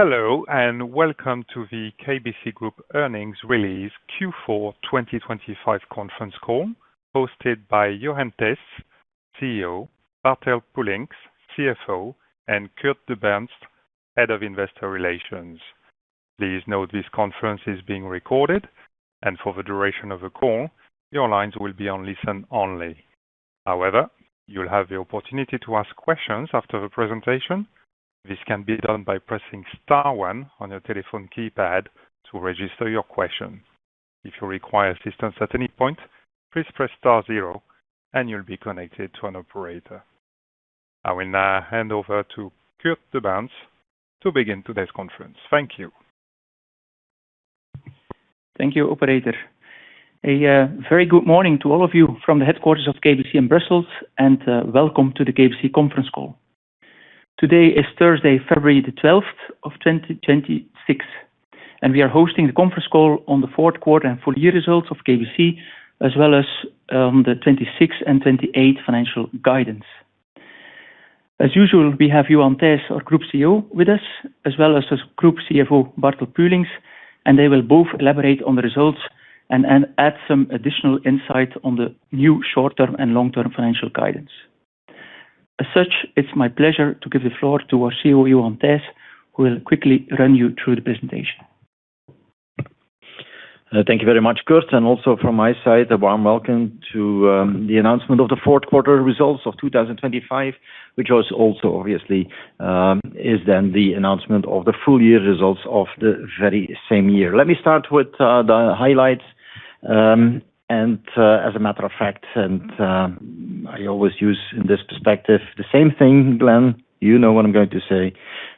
Hello, and welcome to the KBC Group Earnings Release Q4 2025 conference call, hosted by Johan Thijs, CEO, Bartel Puelinckx, CFO, and Kurt De Baenst, Head of Investor Relations. Please note this conference is being recorded and for the duration of the call, your lines will be on listen-only. However, you'll have the opportunity to ask questions after the presentation. This can be done by pressing star one on your telephone keypad to register your question. If you require assistance at any point, please press star zero and you'll be connected to an operator. I will now hand over to Kurt De Baenst to begin today's conference. Thank you. Thank you, operator. A very good morning to all of you from the headquarters of KBC in Brussels, and welcome to the KBC conference call. Today is Thursday, February 12, 2026, and we are hosting the conference call on the fourth quarter and full year results of KBC, as well as the 2026 and 2028 financial guidance. As usual, we have Johan Thijs, our Group CEO, with us, as well as his Group CFO, Bartel Puelinckx, and they will both elaborate on the results and add some additional insight on the new short-term and long-term financial guidance. As such, it's my pleasure to give the floor to our CEO, Johan Thijs, who will quickly run you through the presentation. Thank you very much, Kurt, and also from my side, a warm welcome to the announcement of the fourth quarter results of 2025, which was also obviously is then the announcement of the full year results of the very same year. Let me start with the highlights. As a matter of fact, and I always use in this perspective the same thing, Glenn, you know what I'm going to say.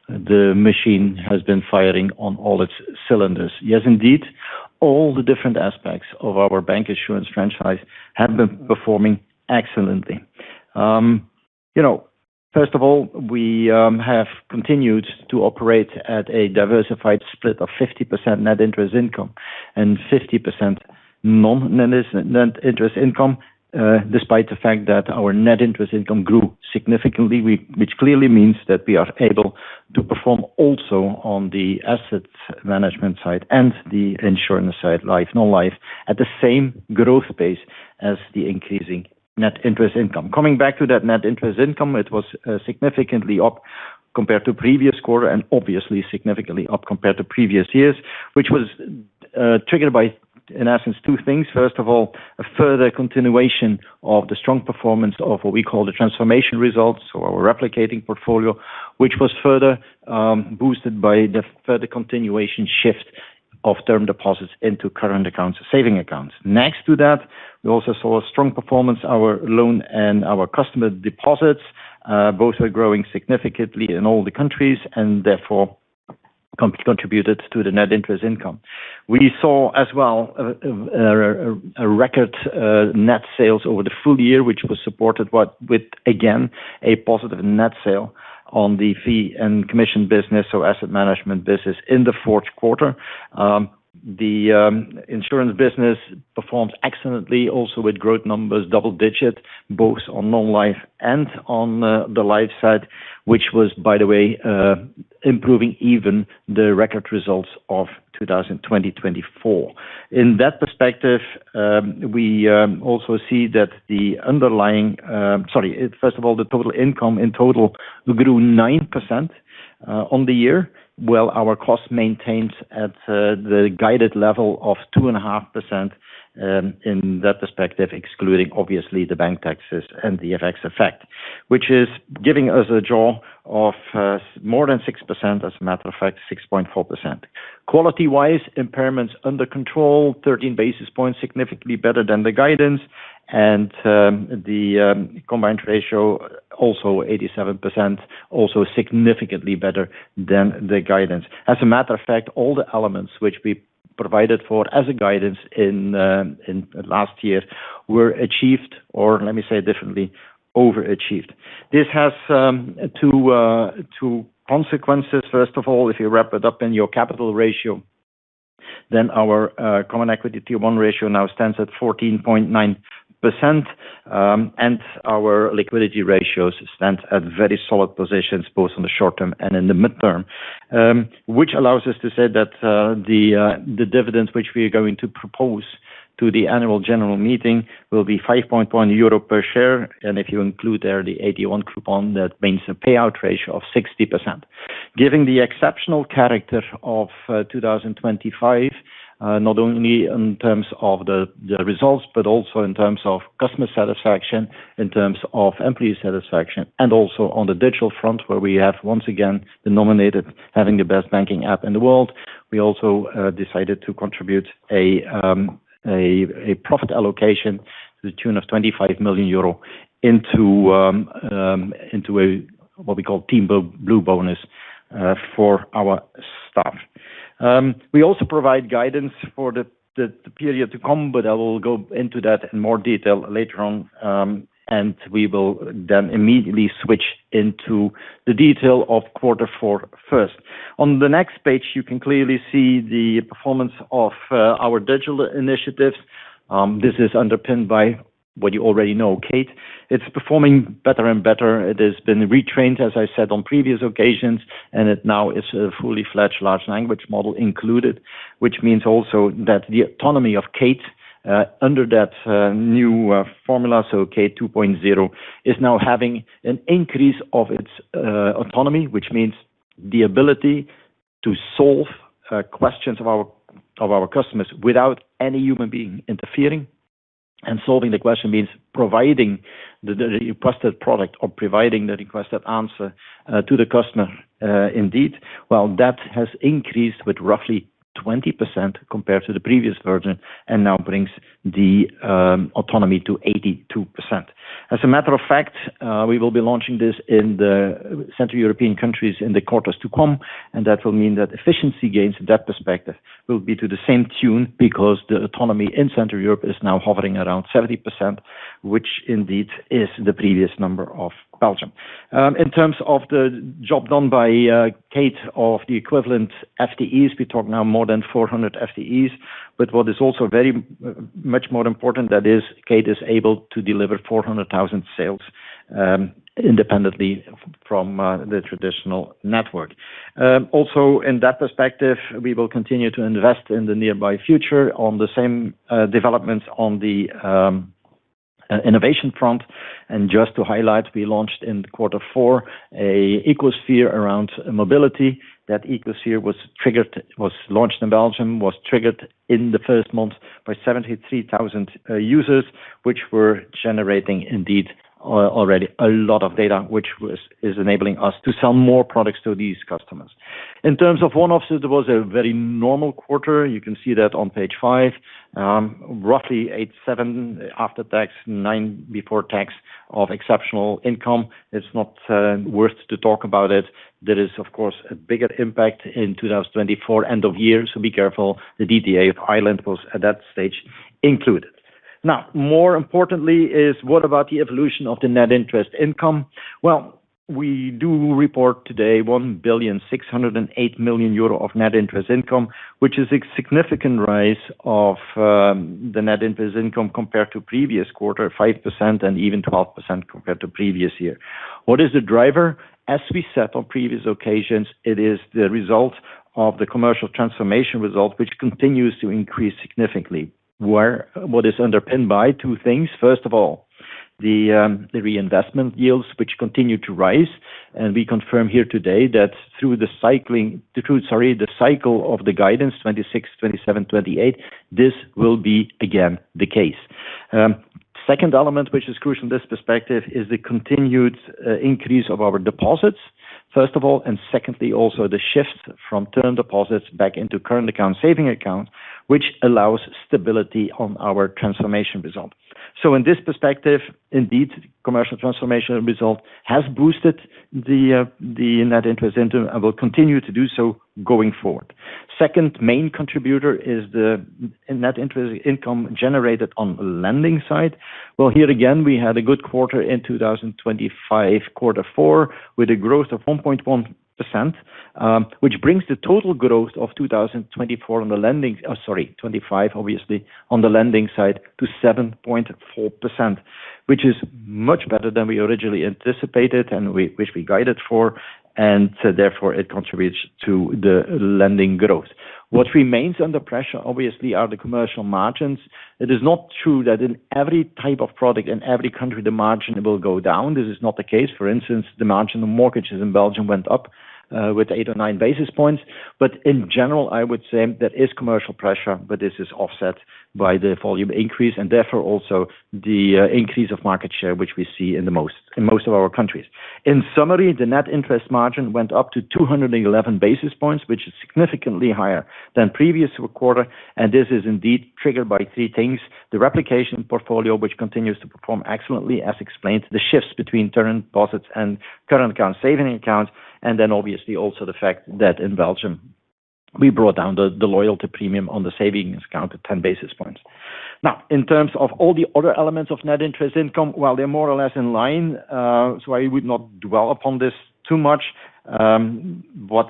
The machine has been firing on all its cylinders. Yes, indeed, all the different aspects of our bank insurance franchise have been performing excellently. You know, first of all, we have continued to operate at a diversified split of 50% net interest income and 50% non-net, net interest income, despite the fact that our net interest income grew significantly, which clearly means that we are able to perform also on the asset management side and the insurance side, life, non-life, at the same growth pace as the increasing net interest income. Coming back to that net interest income, it was significantly up compared to previous quarter and obviously significantly up compared to previous years, which was triggered by, in essence, two things. First of all, a further continuation of the strong performance of what we call the transformation results, so our replicating portfolio, which was further boosted by the further continuation shift of term deposits into current accounts, saving accounts. Next to that, we also saw a strong performance. Our loan and our customer deposits both are growing significantly in all the countries and therefore contributed to the net interest income. We saw as well a record net sales over the full year, which was supported by with, again, a positive net sale on the fee and commission business, so asset management business in the fourth quarter. The insurance business performed excellently also with growth numbers, double digit, both on non-life and on the life side, which was, by the way, improving even the record results of 2024. In that perspective, we also see that the underlying... Sorry. First of all, the total income in total grew 9%, on the year, while our cost maintains at the guided level of 2.5%, in that perspective, excluding obviously the bank taxes and the FX effect, which is giving us a draw of more than 6%, as a matter of fact, 6.4%. Quality-wise, impairments under control, 13 basis points, significantly better than the guidance and the combined ratio, also 87%, also significantly better than the guidance. As a matter of fact, all the elements which we provided for as a guidance in last year, were achieved, or let me say differently, overachieved. This has two consequences. First of all, if you wrap it up in your capital ratio, then our common equity Tier 1 ratio now stands at 14.9%, and our liquidity ratios stand at very solid positions, both in the short term and in the midterm. Which allows us to say that the dividends which we are going to propose to the annual general meeting will be 5.1 euro per share, and if you include there the AT1 coupon, that means a payout ratio of 60%. Given the exceptional character of 2025, not only in terms of the results, but also in terms of customer satisfaction, in terms of employee satisfaction, and also on the digital front, where we have once again been nominated, having the best banking app in the world. We also decided to contribute a profit allocation to the tune of 25 million euro into a what we call Team Blue Bonus for our staff. We also provide guidance for the period to come, but I will go into that in more detail later on, and we will then immediately switch into the detail of quarter four first. On the next page, you can clearly see the performance of our digital initiatives. This is underpinned by what you already know, Kate. It's performing better and better. It has been retrained, as I said, on previous occasions, and it now is a fully fledged large language model included, which means also that the autonomy of Kate under that new formula, so Kate 2.0, is now having an increase of its autonomy, which means the ability to solve questions of our customers without any human being interfering. And solving the question means providing the requested product or providing the requested answer to the customer indeed. Well, that has increased with roughly 20% compared to the previous version, and now brings the autonomy to 82%. As a matter of fact, we will be launching this in the Central European countries in the quarters to come, and that will mean that efficiency gains in that perspective will be to the same tune, because the automation in Central Europe is now hovering around 70%, which indeed is the previous number of Belgium. In terms of the job done by Kate or the equivalent FTEs, we talk now more than 400 FTEs. But what is also very much more important, that is, Kate is able to deliver 400,000 sales independently from the traditional network. Also in that perspective, we will continue to invest in the near future on the same developments on the innovation front. And just to highlight, we launched in quarter four, an ecosphere around mobility. That ecosphere was launched in Belgium, was triggered in the first month by 73,000 users, which were generating indeed already a lot of data, which is enabling us to sell more products to these customers. In terms of one-offs, it was a very normal quarter. You can see that on Page 5. Roughly 87 after tax, 9 before tax of exceptional income, it's not worth to talk about it. There is, of course, a bigger impact in 2024, end of year. So be careful. The DTA of Ireland was at that stage included. Now, more importantly, is what about the evolution of the net interest income? Well, we do report today 1.608 billion euro of net interest income, which is a significant rise of the net interest income compared to previous quarter, 5% and even 12% compared to previous year. What is the driver? As we said on previous occasions, it is the result of the commercial transformation result, which continues to increase significantly. What is underpinned by two things. First of all, the reinvestment yields, which continue to rise, and we confirm here today that through the cycle of the guidance, 2026, 2027, 2028, this will be again the case. Second element, which is crucial in this perspective, is the continued increase of our deposits, first of all, and secondly, also the shift from term deposits back into current account, savings account, which allows stability on our transformation result. So in this perspective, indeed, commercial transformation result has boosted the net interest income and will continue to do so going forward. Second main contributor is the net interest income generated on lending side. Well, here again, we had a good quarter in 2025, quarter four, with a growth of 1.1%, which brings the total growth of 2024 on the lending, sorry, 2025, obviously, on the lending side to 7.4%, which is much better than we originally anticipated and which we guided for, and so therefore it contributes to the lending growth. What remains under pressure, obviously, are the commercial margins. It is not true that in every type of product, in every country, the margin will go down. This is not the case. For instance, the margin on mortgages in Belgium went up with 8 or 9 basis points. But in general, I would say there is commercial pressure, but this is offset by the volume increase and therefore also the increase of market share, which we see in most of our countries. In summary, the net interest margin went up to 211 basis points, which is significantly higher than previous quarter, and this is indeed triggered by three things: the replication portfolio, which continues to perform excellently, as explained, the shifts between term deposits and current account, savings accounts, and then obviously also the fact that in Belgium, we brought down the loyalty premium on the savings account to 10 basis points. Now, in terms of all the other elements of net interest income, while they're more or less in line, so I would not dwell upon this too much. But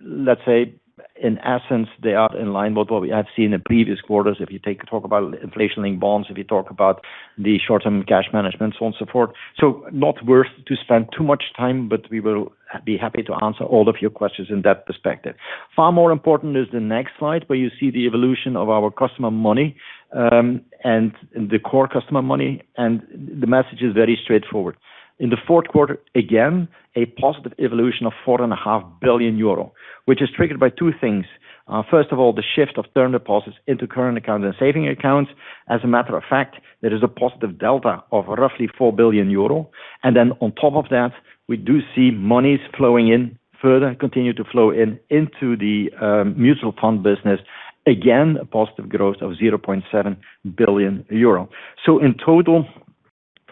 let's say in essence, they are in line with what we have seen in previous quarters. If you take a talk about inflation-linked bonds, if you talk about the short-term cash management, so on and so forth. So not worth to spend too much time, but we will be happy to answer all of your questions in that perspective. Far more important is the next slide, where you see the evolution of our customer money, and the core customer money, and the message is very straightforward. In the fourth quarter, again, a positive evolution of 4.5 billion euro, which is triggered by two things. First of all, the shift of term deposits into current accounts and savings accounts. As a matter of fact, there is a positive delta of roughly 4 billion euro, and then on top of that, we do see monies flowing in further, continue to flow in into the, mutual fund business. Again, a positive growth of 0.7 billion euro. So in total,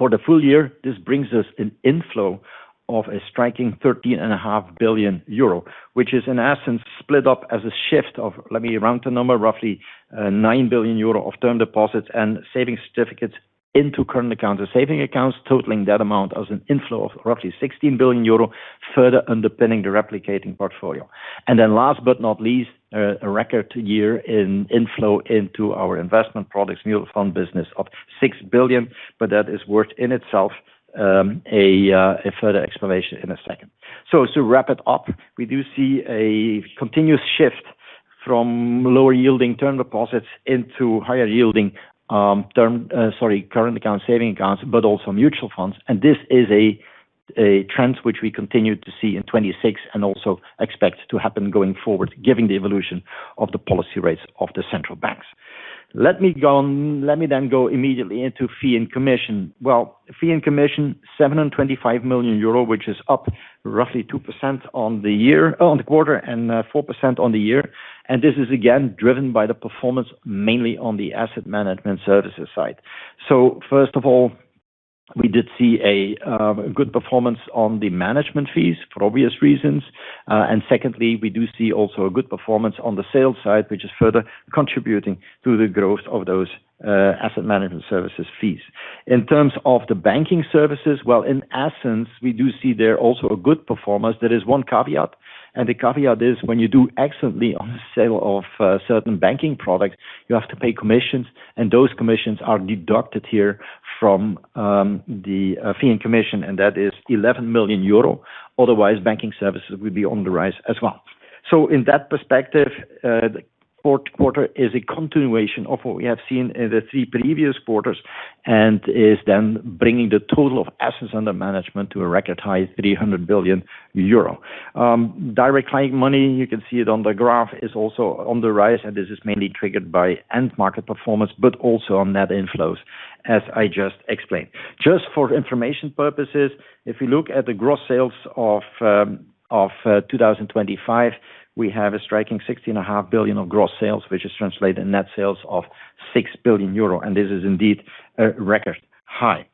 for the full year, this brings us an inflow of a striking 13.5 billion euro, which is in essence split up as a shift of, let me round the number, roughly, 9 billion euro of term deposits and savings certificates into current account and saving accounts, totaling that amount as an inflow of roughly 16 billion euro, further underpinning the replicating portfolio. And then last but not least, a record year in inflow into our investment products, mutual fund business of 6 billion, but that is worth in itself, a further explanation in a second. So to wrap it up, we do see a continuous shift from lower yielding term deposits into higher yielding current account, savings accounts, but also mutual funds. This is a trend which we continue to see in 2026 and also expect to happen going forward, given the evolution of the policy rates of the central banks. Let me then go immediately into fee and commission. Well, fee and commission, 725 million euro, which is up roughly 2% on the year, on the quarter, and 4% on the year. And this is again, driven by the performance, mainly on the asset management services side. So first of all, we did see a good performance on the management fees for obvious reasons. And secondly, we do see also a good performance on the sales side, which is further contributing to the growth of those asset management services fees. In terms of the banking services, well, in essence, we do see there also a good performance. There is one caveat, and the caveat is when you do excellently on the sale of certain banking products, you have to pay commissions, and those commissions are deducted here from the fee and commission, and that is 11 million euro. Otherwise, banking services will be on the rise as well. So in that perspective, the fourth quarter is a continuation of what we have seen in the three previous quarters and is then bringing the total of assets under management to a record high, 300 billion euro. Direct client money, you can see it on the graph, is also on the rise, and this is mainly triggered by end market performance, but also on net inflows, as I just explained. Just for information purposes, if you look at the gross sales of 2025, we have a striking 16.5 billion of gross sales, which is translated in net sales of 6 billion euro, and this is indeed a record high.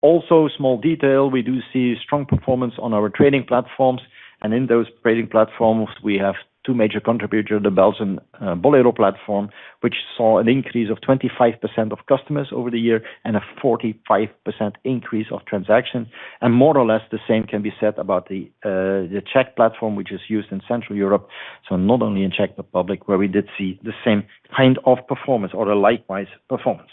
Also, small detail, we do see strong performance on our trading platforms, and in those trading platforms, we have two major contributors, the Belgian Bolero platform, which saw an increase of 25% of customers over the year and a 45% increase of transactions. And more or less the same can be said about the Czech platform, which is used in Central Europe. So not only in Czech Republic, where we did see the same kind of performance or a likewise performance.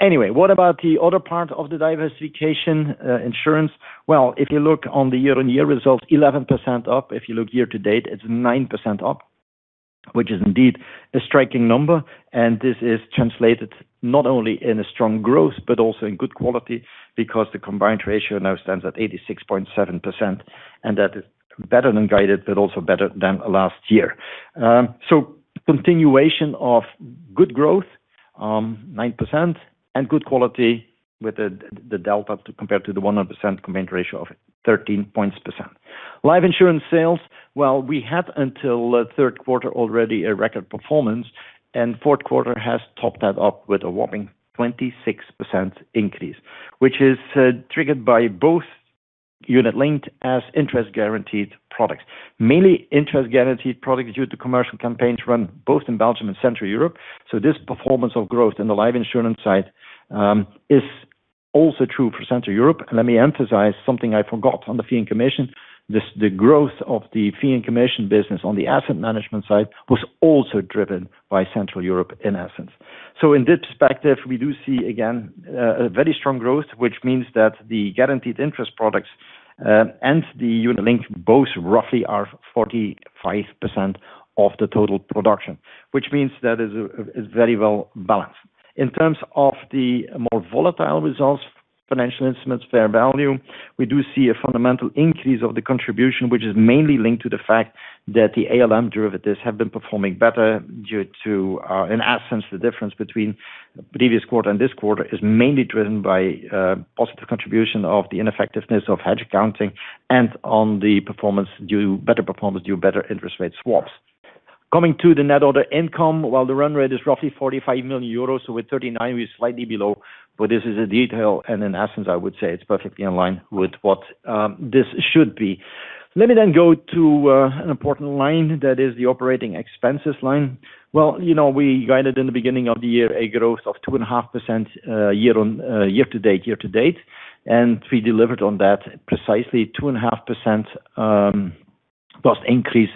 Anyway, what about the other part of the diversification, insurance? Well, if you look on the year-on-year results, 11% up. If you look year-to-date, it's 9% up, which is indeed a striking number. And this is translated not only in a strong growth, but also in good quality, because the combined ratio now stands at 86.7%, and that is better than guided, but also better than last year. So continuation of good growth, 9%, and good quality with the delta compared to the 100% combined ratio of 13 percentage points. Life insurance sales, well, we had until the third quarter, already a record performance, and fourth quarter has topped that up with a whopping 26% increase, which is triggered by both unit linked as interest guaranteed products. Mainly interest guaranteed products due to commercial campaigns run both in Belgium and Central Europe. So this performance of growth in the life insurance side is also true for Central Europe. And let me emphasize something I forgot on the fee and commission. This, the growth of the fee and commission business on the asset management side was also driven by Central Europe, in essence. So in this perspective, we do see, again, a very strong growth, which means that the guaranteed interest products and the unit link both roughly are 45% of the total production, which means that is very well balanced. In terms of the more volatile results, financial instruments, fair value, we do see a fundamental increase of the contribution, which is mainly linked to the fact that the ALM derivatives have been performing better due to, in essence, the difference between the previous quarter and this quarter is mainly driven by positive contribution of the ineffectiveness of hedge accounting and better performance due to better interest rate swaps. Coming to the net other income, while the run rate is roughly 45 million euros, so with 39 million, we're slightly below, but this is a detail, and in essence, I would say it's perfectly in line with what this should be. Let me then go to an important line that is the operating expenses line. Well, you know, we guided in the beginning of the year a growth of 2.5%, year-on-year to date, and we delivered on that precisely 2.5%, cost increase,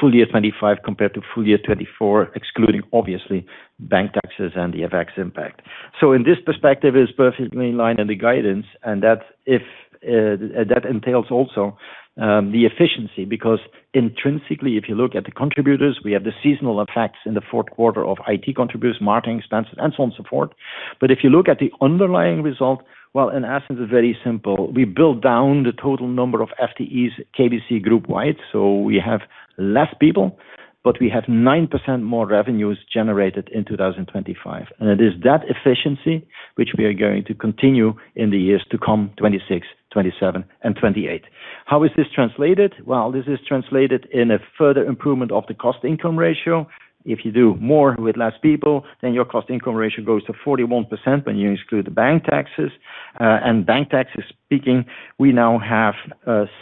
full year 2025, compared to full year 2024, excluding obviously, bank taxes and the FX impact. So in this perspective, it's perfectly in line in the guidance, and that if, that entails also, the efficiency, because intrinsically, if you look at the contributors, we have the seasonal effects in the fourth quarter of IT contributors, marketing expenses, and so on, support. But if you look at the underlying result, well, in essence, it's very simple. We brought down the total number of FTEs, KBC Group-wide, so we have less people, but we have 9% more revenues generated in 2025. And it is that efficiency which we are going to continue in the years to come, 2026, 2027 and 2028. How is this translated? Well, this is translated in a further improvement of the cost-income ratio. If you do more with less people, then your cost-income ratio goes to 41% when you exclude the bank taxes. And bank taxes speaking, we now have,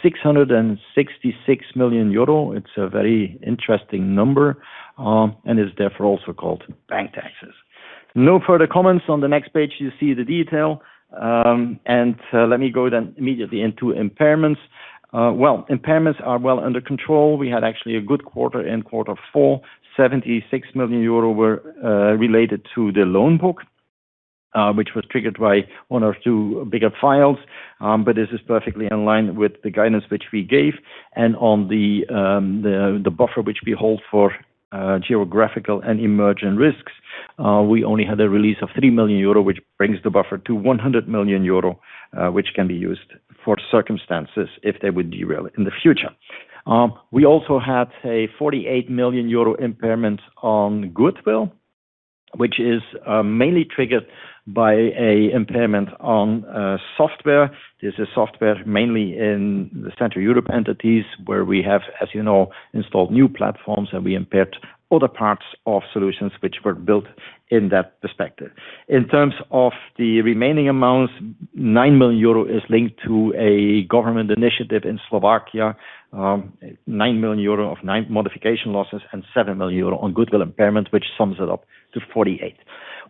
six hundred and sixty-six million euro. It's a very interesting number, and is therefore also called bank taxes. No further comments. On the next page, you see the detail, and, let me go then immediately into impairments. Well, impairments are well under control. We had actually a good quarter in quarter four, seventy-six million euro were, related to the loan book, which was triggered by one or two bigger files. But this is perfectly in line with the guidance which we gave. And on the buffer, which we hold for geographical and emergent risks, we only had a release of 3 million euro, which brings the buffer to 100 million euro, which can be used for circumstances if they would derail it in the future. We also had a 48 million euro impairment on goodwill, which is mainly triggered by a impairment on software. This is software mainly in the Central Europe entities, where we have, as you know, installed new platforms, and we impaired other parts of solutions which were built in that perspective. In terms of the remaining amounts, 9 million euro is linked to a government initiative in Slovakia, 9 million euro of nine modification losses and 7 million euro on goodwill impairment, which sums it up to 48.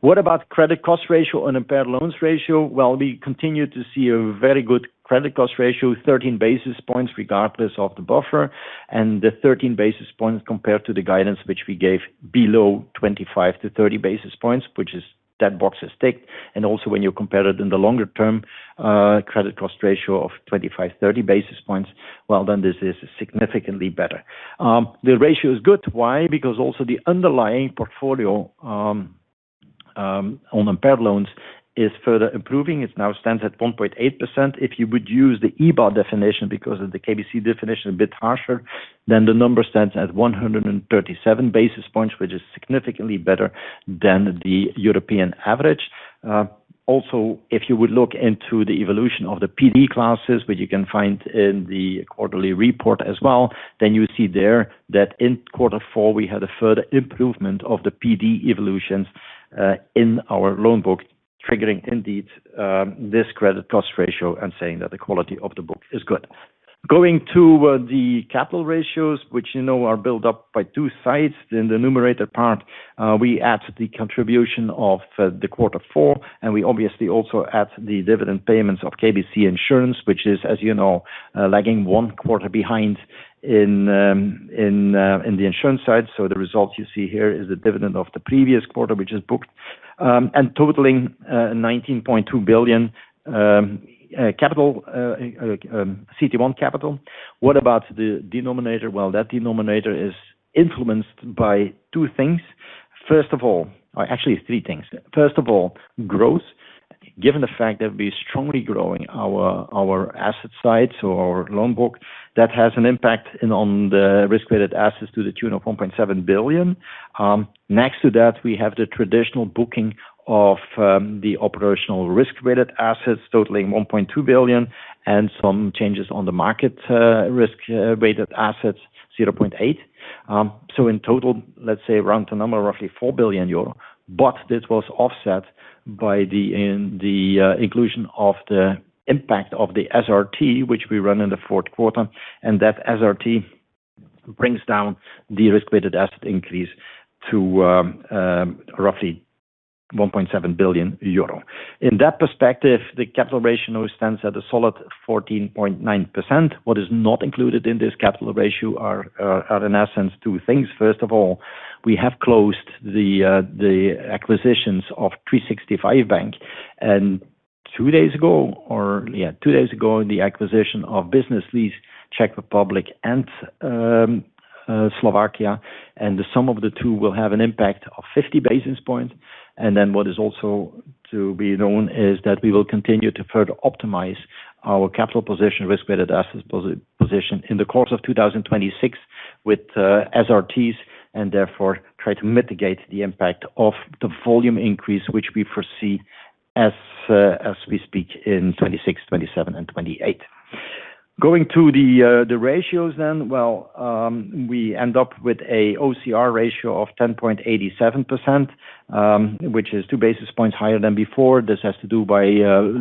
What about credit cost ratio and impaired loans ratio? Well, we continue to see a very good credit cost ratio, 13 basis points, regardless of the buffer, and the 13 basis points compared to the guidance, which we gave below 25-30 basis points, which is that box is ticked. Also, when you compare it in the longer term, credit cost ratio of 25-30 basis points, well, then, this is significantly better. The ratio is good. Why? Because also the underlying portfolio on impaired loans is further improving. It now stands at 1.8%. If you would use the EBA definition because of the KBC definition, a bit harsher, then the number stands at 137 basis points, which is significantly better than the European average. Also, if you would look into the evolution of the PD classes, which you can find in the quarterly report as well, then you see there that in quarter four, we had a further improvement of the PD evolution, in our loan book, triggering indeed, this credit cost ratio and saying that the quality of the book is good. Going to, the capital ratios, which, you know, are built up by two sides. In the numerator part, we add the contribution of the quarter four, and we obviously also add the dividend payments of KBC Insurance, which is, as you know, lagging one quarter behind in the insurance side. So the results you see here is the dividend of the previous quarter, which is booked, and totaling 19.2 billion CET1 capital. What about the denominator? Well, that denominator is influenced by two things. First of all... Actually, three things. First of all, growth. Given the fact that we're strongly growing our asset side, so our loan book, that has an impact on the risk-weighted assets to the tune of 1.7 billion. Next to that, we have the traditional booking of the operational risk-weighted assets, totaling 1.2 billion, and some changes on the market risk weighted assets, 0.8. So in total, let's say round to number, roughly 4 billion euro, but this was offset by the inclusion of the impact of the SRT, which we run in the fourth quarter, and that SRT brings down the risk-weighted asset increase to roughly 1.7 billion euro. In that perspective, the capital ratio now stands at a solid 14.9%. What is not included in this capital ratio are in essence, two things. First of all, we have closed the acquisitions of 365.bank, and two days ago the acquisition of Business Lease, Czech Republic and Slovakia, and the sum of the two will have an impact of 50 basis points. And then what is also to be known is that we will continue to further optimize our capital position, risk-weighted assets position in the course of 2026, with SRTs, and therefore try to mitigate the impact of the volume increase, which we foresee as we speak in 2026, 2027 and 2028. Going to the ratios then. Well, we end up with an OCR ratio of 10.87%, which is 2 basis points higher than before. This has to do by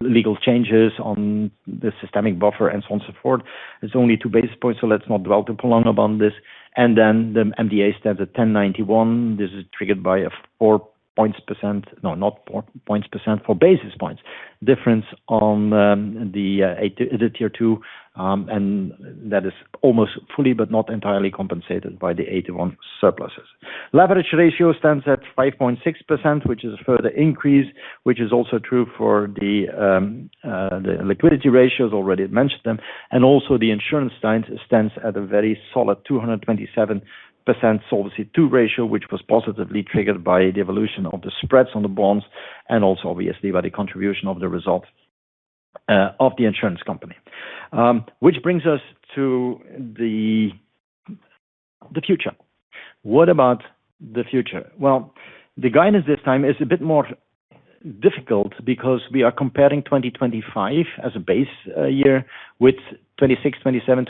legal changes on the systemic buffer, and so on, so forth. It's only 2 basis points, so let's not dwell to prolong upon this. And then the MDA stands at 10.91. This is triggered by a four points percent. No, not four points percent, 4 basis points, difference on the Tier 2, and that is almost fully, but not entirely compensated by the 81 surpluses. Leverage ratio stands at 5.6%, which is a further increase, which is also true for the liquidity ratios already mentioned them. And also the insurance stands at a very solid 227% Solvency II ratio, which was positively triggered by the evolution of the spreads on the bonds and also obviously by the contribution of the results of the insurance company. Which brings us to the future. What about the future? Well, the guidance this time is a bit more difficult because we are comparing 2025 as a base year with 2026, 2027,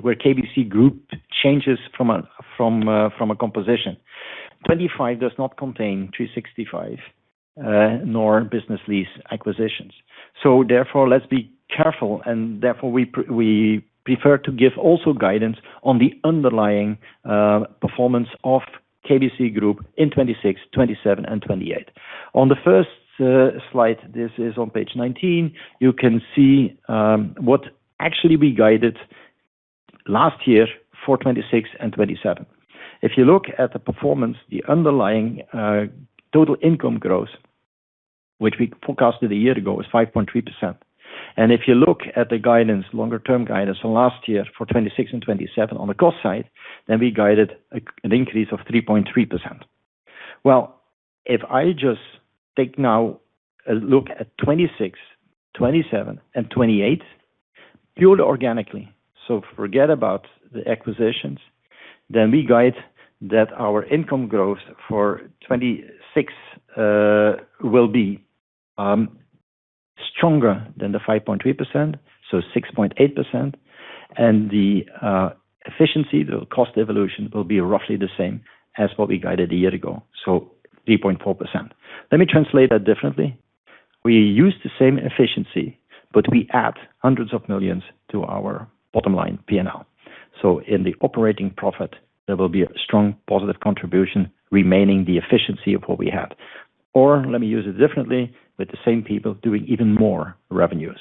2028, where KBC Group changes from a composition. 2025 does not contain 365.bank nor Business Lease acquisitions. So therefore, let's be careful, and therefore, we prefer to give also guidance on the underlying performance of KBC Group in 2026, 2027 and 2028. On the first slide, this is on Page 19, you can see what actually we guided last year for 2026 and 2027. If you look at the performance, the underlying total income growth, which we forecasted a year ago, is 5.3%. If you look at the guidance, longer-term guidance on last year for 2026 and 2027 on the cost side, then we guided an increase of 3.3%. Well, if I just take now a look at 2026, 2027, and 2028, purely organically, so forget about the acquisitions, then we guide that our income growth for 2026 will be stronger than the 5.3%, so 6.8%. And the efficiency, the cost evolution will be roughly the same as what we guided a year ago, so 3.4%. Let me translate that differently. We use the same efficiency, but we add hundreds of millions EUR to our bottom line P&L. So in the operating profit, there will be a strong positive contribution remaining the efficiency of what we had. Or let me use it differently, with the same people doing even more revenues.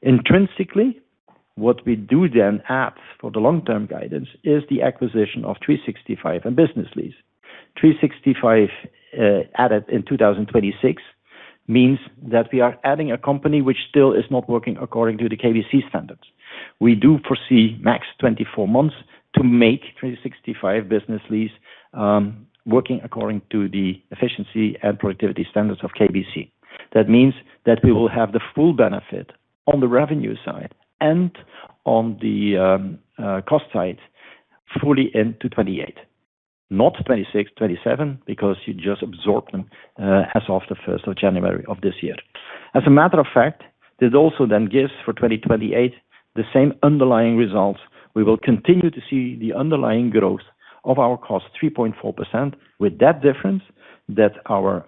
Intrinsically, what we do then add for the long-term guidance is the acquisition of 365 and Business Lease. 365, added in 2026 means that we are adding a company which still is not working according to the KBC standards. We do foresee max 24 months to make 365 Business Lease, working according to the efficiency and productivity standards of KBC. That means that we will have the full benefit on the revenue side and on the, cost side, fully into 2028, not 2026, 2027, because you just absorb them, as of the first of January of this year. As a matter of fact, this also then gives for 2028, the same underlying results. We will continue to see the underlying growth of our cost 3.4%, with that difference, that our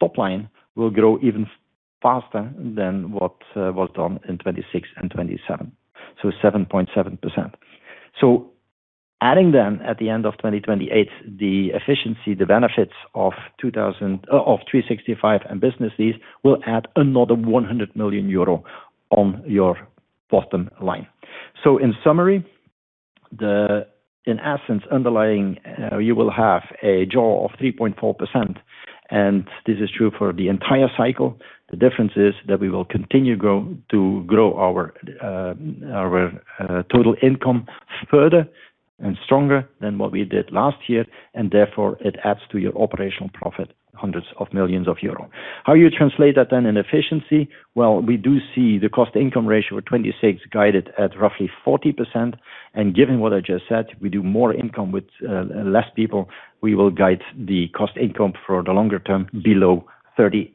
top line will grow even faster than what was done in 2026 and 2027, so 7.7%. So adding them at the end of 2028, the efficiency, the benefits of 365 and Business Lease, will add another 100 million euro on your bottom line. So in summary, in essence, underlying, you will have a draw of 3.4%, and this is true for the entire cycle. The difference is that we will continue to grow our total income further and stronger than what we did last year, and therefore it adds to your operational profit, hundreds of millions of EUR. How you translate that then in efficiency? Well, we do see the cost income ratio of 26 guided at roughly 40%, and given what I just said, we do more income with less people. We will guide the cost income for the longer term below 38%.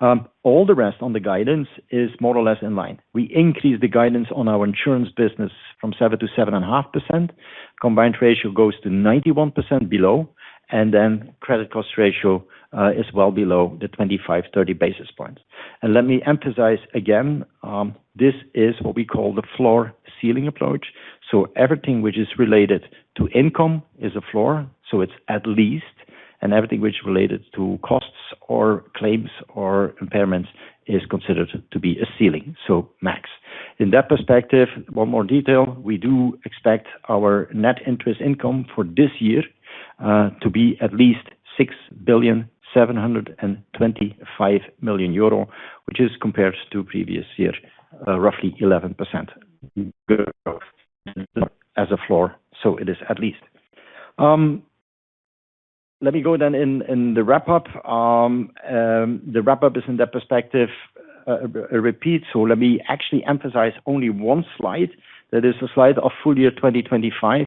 All the rest on the guidance is more or less in line. We increase the guidance on our insurance business from 7% to 7.5%. Combined Ratio goes to below 91%, and then credit cost ratio is well below the 25-30 basis points. Let me emphasize again, this is what we call the floor ceiling approach. So everything which is related to income is a floor, so it's at least, and everything which related to costs or claims or impairments is considered to be a ceiling, so max. In that perspective, one more detail, we do expect our net interest income for this year to be at least 6.725 billion, which is compared to previous year roughly 11% growth as a floor, so it is at least. Let me go then in the wrap-up. The wrap-up is in that perspective a repeat. So let me actually emphasize only one slide. That is a slide of full year 2025.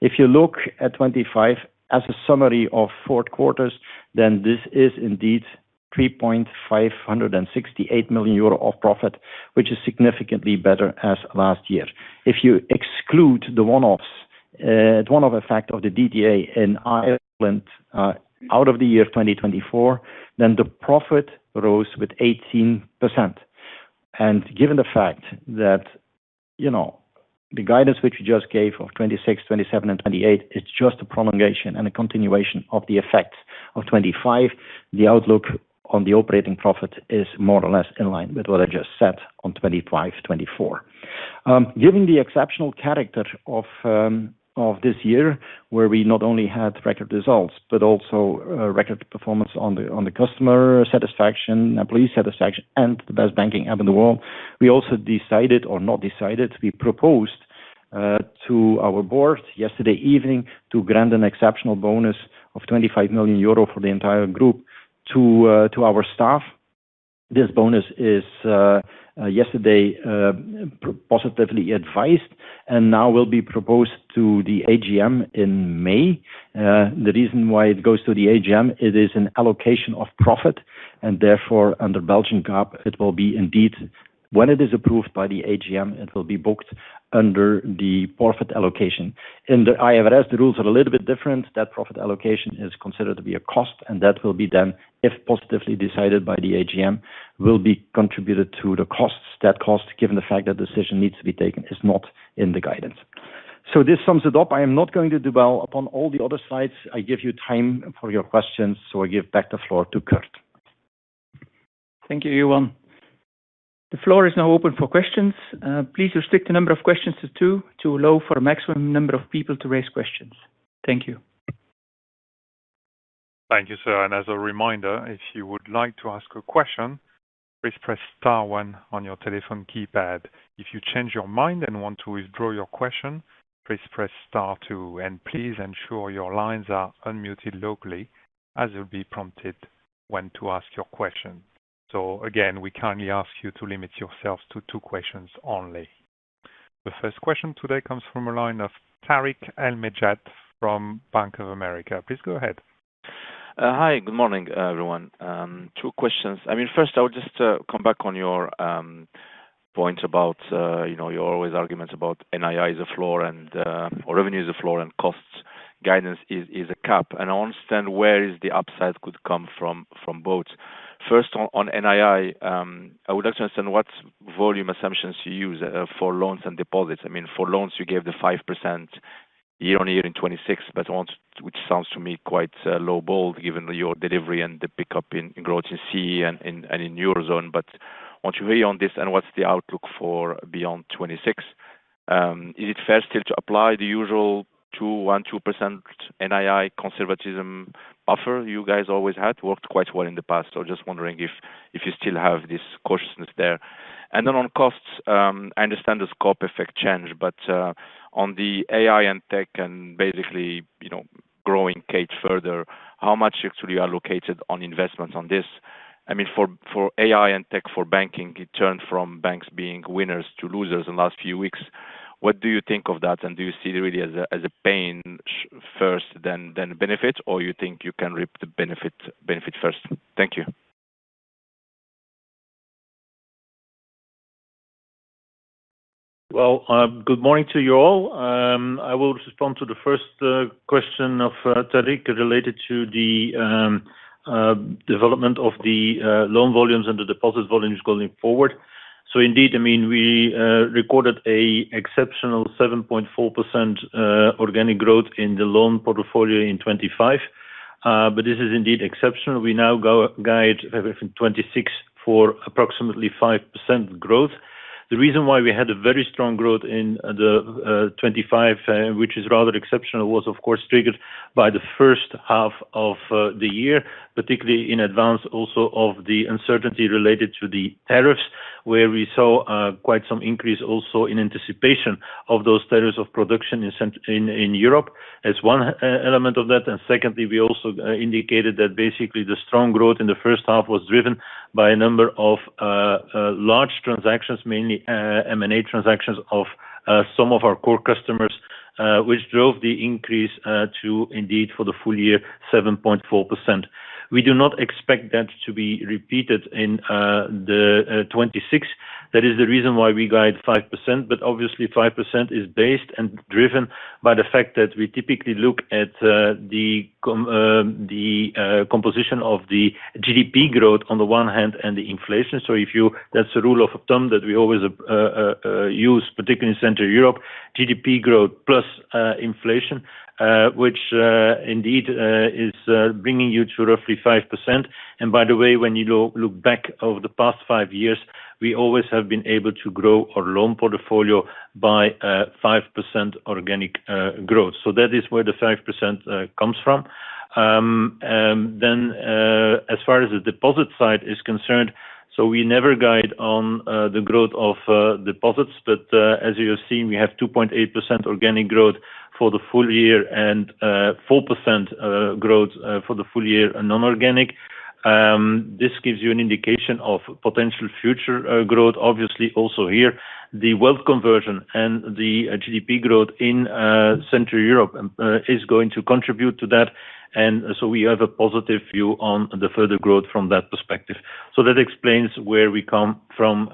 If you look at 25 as a summary of four quarters, then this is indeed 358 million euro of profit, which is significantly better as last year. If you exclude the one-offs, one-off effect of the DTA in Ireland out of the year 2024, then the profit rose with 18%. Given the fact that, you know, the guidance which we just gave of 2026, 2027 and 2028, it's just a promulgation and a continuation of the effects of 2025. The outlook on the operating profit is more or less in line with what I just said on 2025, 2024. Given the exceptional character of this year, where we not only had record results, but also record performance on the customer satisfaction, employee satisfaction, and the best banking app in the world, we also decided or not decided, we proposed to our board yesterday evening to grant an exceptional bonus of 25 million euro for the entire group to our staff. This bonus is yesterday positively advised, and now will be proposed to the AGM in May. The reason why it goes to the AGM, it is an allocation of profit.... and therefore, under Belgian GAAP, it will be indeed, when it is approved by the AGM, it will be booked under the profit allocation. In the IFRS, the rules are a little bit different. That profit allocation is considered to be a cost, and that will be then, if positively decided by the AGM, will be contributed to the costs. That cost, given the fact that decision needs to be taken, is not in the guidance. So this sums it up. I am not going to dwell upon all the other slides. I give you time for your questions, so I give back the floor to Kurt. Thank you, everyone. The floor is now open for questions. Please restrict the number of questions to two, to allow for a maximum number of people to raise questions. Thank you. Thank you, sir. As a reminder, if you would like to ask a question, please press star one on your telephone keypad. If you change your mind and want to withdraw your question, please press star two, and please ensure your lines are unmuted locally, as you'll be prompted when to ask your question. Again, we kindly ask you to limit yourselves to two questions only. The first question today comes from a line of Tarik El Mejjad from Bank of America. Please go ahead. Hi, good morning, everyone. Two questions. I mean, first, I would just come back on your point about, you know, you always arguments about NII is a floor and or revenue is a floor, and costs guidance is a cap, and I understand where is the upside could come from, from both. First, on NII, I would like to understand what volume assumptions you use for loans and deposits. I mean, for loans, you gave the 5% year-on-year in 2026, but on... Which sounds to me quite lowball given your delivery and the pickup in growth in CE and in Eurozone. But what's your view on this, and what's the outlook for beyond 2026? Is it fair still to apply the usual 2.12% NII conservatism buffer you guys always had? Worked quite well in the past. So just wondering if you still have this cautiousness there. And then on costs, I understand the scope effect change, but on the AI and tech and basically, you know, growing Kate further, how much actually are allocated on investments on this? I mean, for AI and tech, for banking, it turned from banks being winners to losers in last few weeks. What do you think of that, and do you see it really as a pain first, then benefit, or you think you can reap the benefit first? Thank you. Well, good morning to you all. I will respond to the first question of Tarik, related to the development of the loan volumes and the deposit volumes going forward. So indeed, I mean, we recorded an exceptional 7.4% organic growth in the loan portfolio in 2025. But this is indeed exceptional. We now guide in 2026 for approximately 5% growth. The reason why we had a very strong growth in 2025, which is rather exceptional, was, of course, triggered by the first half of the year, particularly in advance, also of the uncertainty related to the tariffs, where we saw quite some increase also in anticipation of those tariffs of production in Europe as one element of that. And secondly, we also indicated that basically the strong growth in the first half was driven by a number of large transactions, mainly M&A transactions of some of our core customers, which drove the increase to indeed, for the full year, 7.4%. We do not expect that to be repeated in the 2026. That is the reason why we guide 5%, but obviously 5% is based and driven by the fact that we typically look at the composition of the GDP growth on the one hand, and the inflation. That's a rule of thumb that we always use, particularly in Central Europe, GDP growth plus inflation, which indeed is bringing you to roughly 5%. And by the way, when you look back over the past five years, we always have been able to grow our loan portfolio by 5% organic growth. So that is where the 5% comes from. And then, as far as the deposit side is concerned, so we never guide on the growth of deposits, but as you have seen, we have 2.8% organic growth for the full year and 4% growth for the full year non-organic. This gives you an indication of potential future growth. Obviously, also here, the wealth conversion and the GDP growth in Central Europe is going to contribute to that, and so we have a positive view on the further growth from that perspective. So that explains where we come from.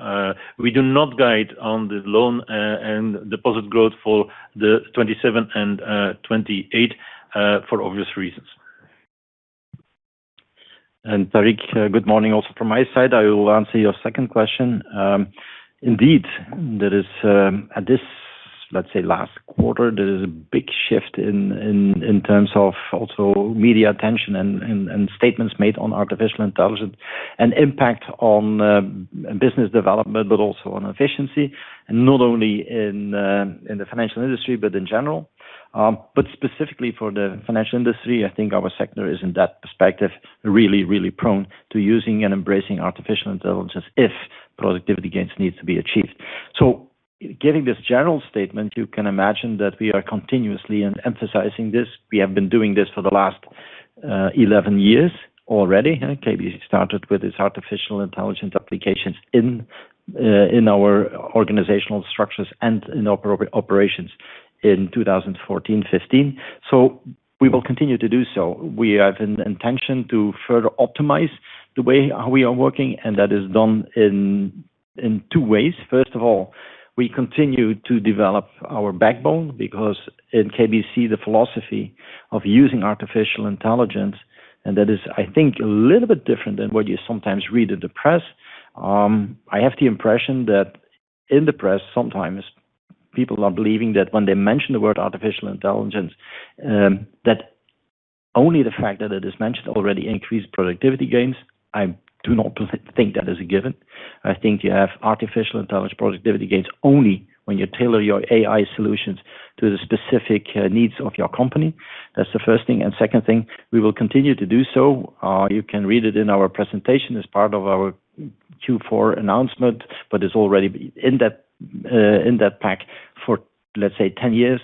We do not guide on the loan and deposit growth for the 2027 and 2028 for obvious reasons. Tariq, good morning also from my side. I will answer your second question. Indeed, there is at this, let's say, last quarter, there is a big shift in terms of also media attention and statements made on artificial intelligence and impact on business development, but also on efficiency, and not only in the financial industry, but in general. But specifically for the financial industry, I think our sector is, in that perspective, really, really prone to using and embracing artificial intelligence if productivity gains needs to be achieved. So giving this general statement, you can imagine that we are continuously and emphasizing this. We have been doing this for the last 11 years already. KBC started with its artificial intelligence applications in, in our organizational structures and in operations.... in 2014, 2015. So we will continue to do so. We have an intention to further optimize the way how we are working, and that is done in two ways. First of all, we continue to develop our backbone because in KBC, the philosophy of using artificial intelligence, and that is, I think, a little bit different than what you sometimes read in the press. I have the impression that in the press sometimes people are believing that when they mention the word artificial intelligence, that only the fact that it is mentioned already increased productivity gains. I do not think that is a given. I think you have artificial intelligence productivity gains only when you tailor your AI solutions to the specific needs of your company. That's the first thing, and second thing, we will continue to do so. You can read it in our presentation as part of our Q4 announcement, but it's already be in that, in that pack for, let's say, 10 years.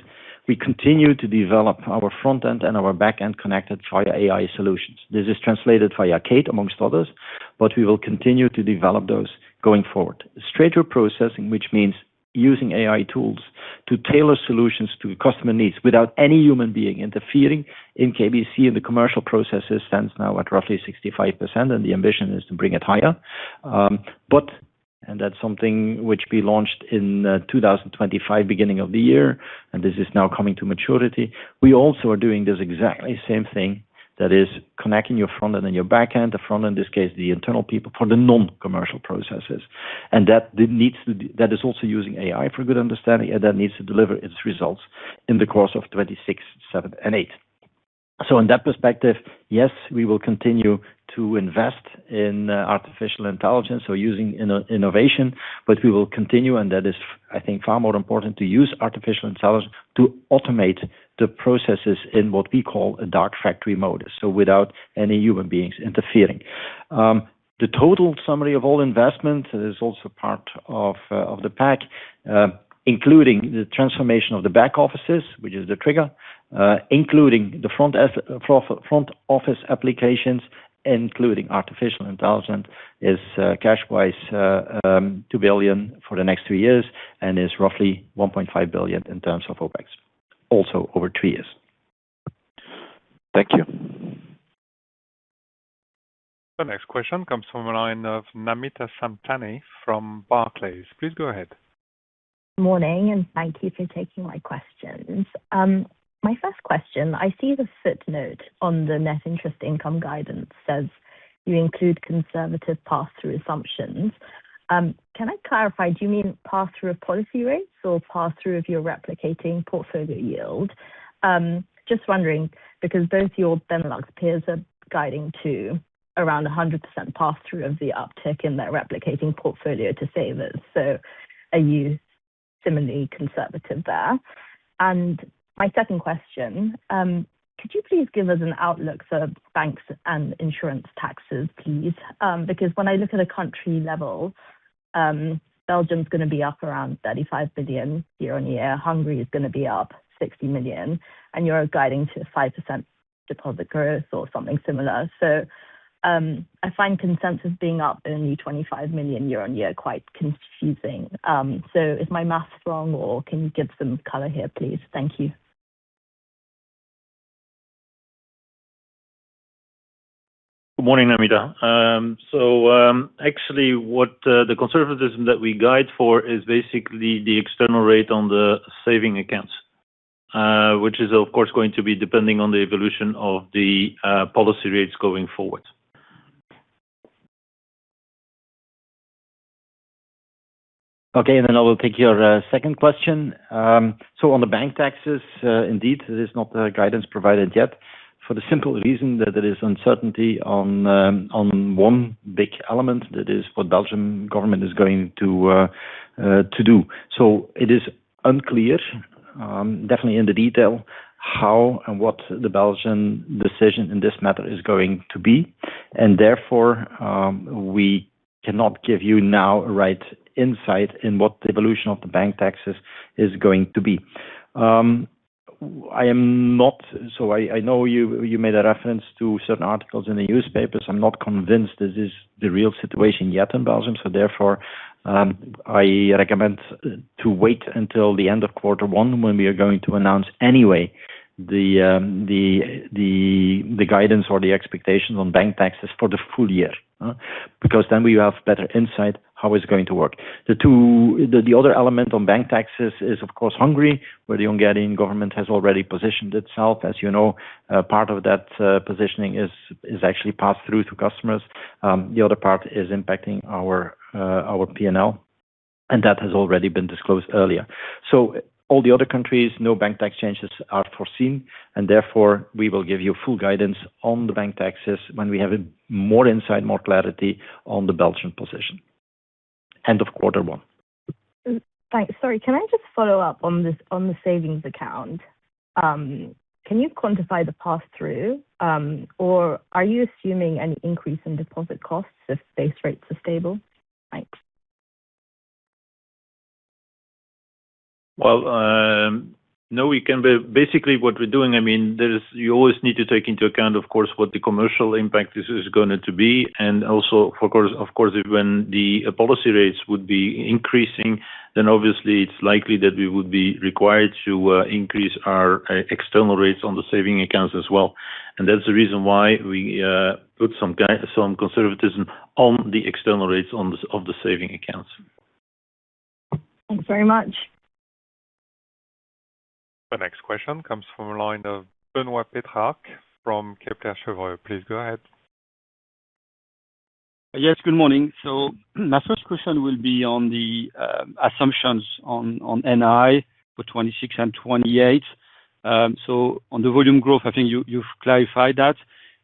We continue to develop our front end and our back end connected via AI solutions. This is translated via Kate, amongst others, but we will continue to develop those going forward. Straighter processing, which means using AI tools to tailor solutions to customer needs without any human being interfering in KBC, and the commercial processes stands now at roughly 65%, and the ambition is to bring it higher. But and that's something which we launched in, two thousand and twenty-five, beginning of the year, and this is now coming to maturity. We also are doing this exactly same thing that is connecting your front end and your back end. The front, in this case, the internal people for the non-commercial processes, and that needs to be... That is also using AI for good understanding, and that needs to deliver its results in the course of 2026, 2027, and 2028. So in that perspective, yes, we will continue to invest in artificial intelligence, so using innovation, but we will continue, and that is, I think, far more important to use artificial intelligence to automate the processes in what we call a dark factory mode, so without any human beings interfering. The total summary of all investment is also part of the pack, including the transformation of the back offices, which is the trigger, including the front office applications, including artificial intelligence, is cash-wise, 2 billion for the next three years and is roughly 1.5 billion in terms of OpEx, also over three years. Thank you. The next question comes from the line of Namita Samtani from Barclays. Please go ahead. Morning, and thank you for taking my questions. My first question, I see the footnote on the net interest income guidance says you include conservative pass-through assumptions. Can I clarify, do you mean pass-through of policy rates or pass-through of your replicating portfolio yield? Just wondering, because both your Benelux peers are guiding to around 100% pass-through of the uptick in their replicating portfolio to savers. So are you similarly conservative there? And my second question, could you please give us an outlook for banks and insurance taxes, please? Because when I look at a country level, Belgium's gonna be up around 35 billion year-on-year, Hungary is gonna be up 60 million, and you're guiding to 5% deposit growth or something similar. So, I find consensus being up in the 25 million year-on-year quite confusing. So, is my math wrong, or can you give some color here, please? Thank you. Good morning, Namita. The conservatism that we guide for is basically the external rate on the saving accounts, which is, of course, going to be depending on the evolution of the policy rates going forward. Okay, and then I will take your second question. On the bank taxes, indeed, there is not a guidance provided yet for the simple reason that there is uncertainty on one big element, that is what the Belgian government is going to do. So it is unclear, definitely in the detail, how and what the Belgian decision in this matter is going to be, and therefore, we cannot give you now a right insight in what the evolution of the bank taxes is going to be. I am not... So I know you made a reference to certain articles in the newspapers. I'm not convinced this is the real situation yet in Belgium, so therefore, I recommend to wait until the end of quarter one, when we are going to announce anyway, the guidance or the expectations on bank taxes for the full year, because then we will have better insight how it's going to work. The other element on bank taxes is, of course, Hungary, where the Hungarian government has already positioned itself. As you know, part of that positioning is actually passed through to customers. The other part is impacting our P&L, and that has already been disclosed earlier. All the other countries, no bank tax changes are foreseen, and therefore, we will give you full guidance on the bank taxes when we have more insight, more clarity on the Belgian position. End of quarter one. Thanks. Sorry, can I just follow up on this, on the savings account? Can you quantify the pass-through, or are you assuming an increase in deposit costs if base rates are stable? Thanks. Well, no. But basically, what we're doing, I mean, you always need to take into account, of course, what the commercial impact is gonna be, and also, of course, of course, when the policy rates would be increasing, then obviously it's likely that we would be required to increase our external rates on the saving accounts as well.... And that's the reason why we put some guide, some conservatism on the external rates on the saving accounts. Thanks very much. The next question comes from a line of Benoît Pétrarque from Kepler Cheuvreux. Please go ahead. Yes, good morning. So my first question will be on the assumptions on NI for 2026 and 2028. So on the volume growth, I think you, you've clarified that.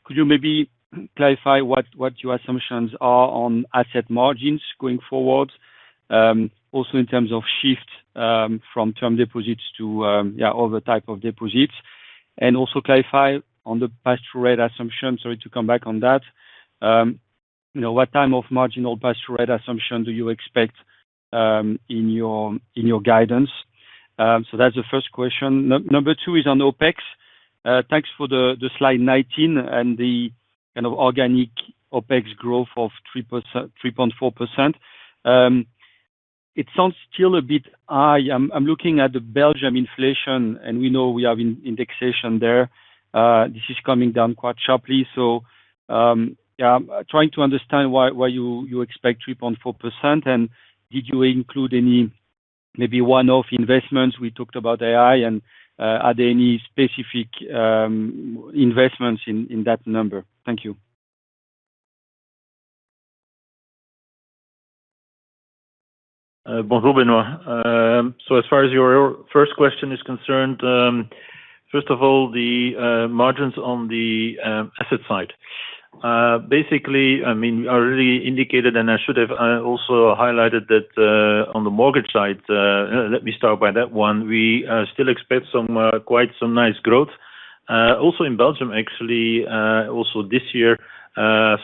Could you maybe clarify what your assumptions are on asset margins going forward? Also in terms of shift from term deposits to yeah, other type of deposits, and also clarify on the pass-through rate assumption. Sorry to come back on that. You know, what time of marginal pass-through rate assumption do you expect in your guidance? So that's the first question. Number 2 is on OpEx. Thanks for the slide 19 and the kind of organic OpEx growth of 3%, 3.4%. It sounds still a bit high. I'm looking at the Belgium inflation, and we know we have indexation there. This is coming down quite sharply, so, yeah, I'm trying to understand why, why you, you expect 3.4%, and did you include any, maybe one-off investments? We talked about AI and, are there any specific, investments in, in that number? Thank you. Bonjour, Benoit. So as far as your first question is concerned, first of all, the margins on the asset side. Basically, I mean, I already indicated, and I should have also highlighted that, on the mortgage side, let me start by that one. We still expect some quite some nice growth, also in Belgium, actually, also this year,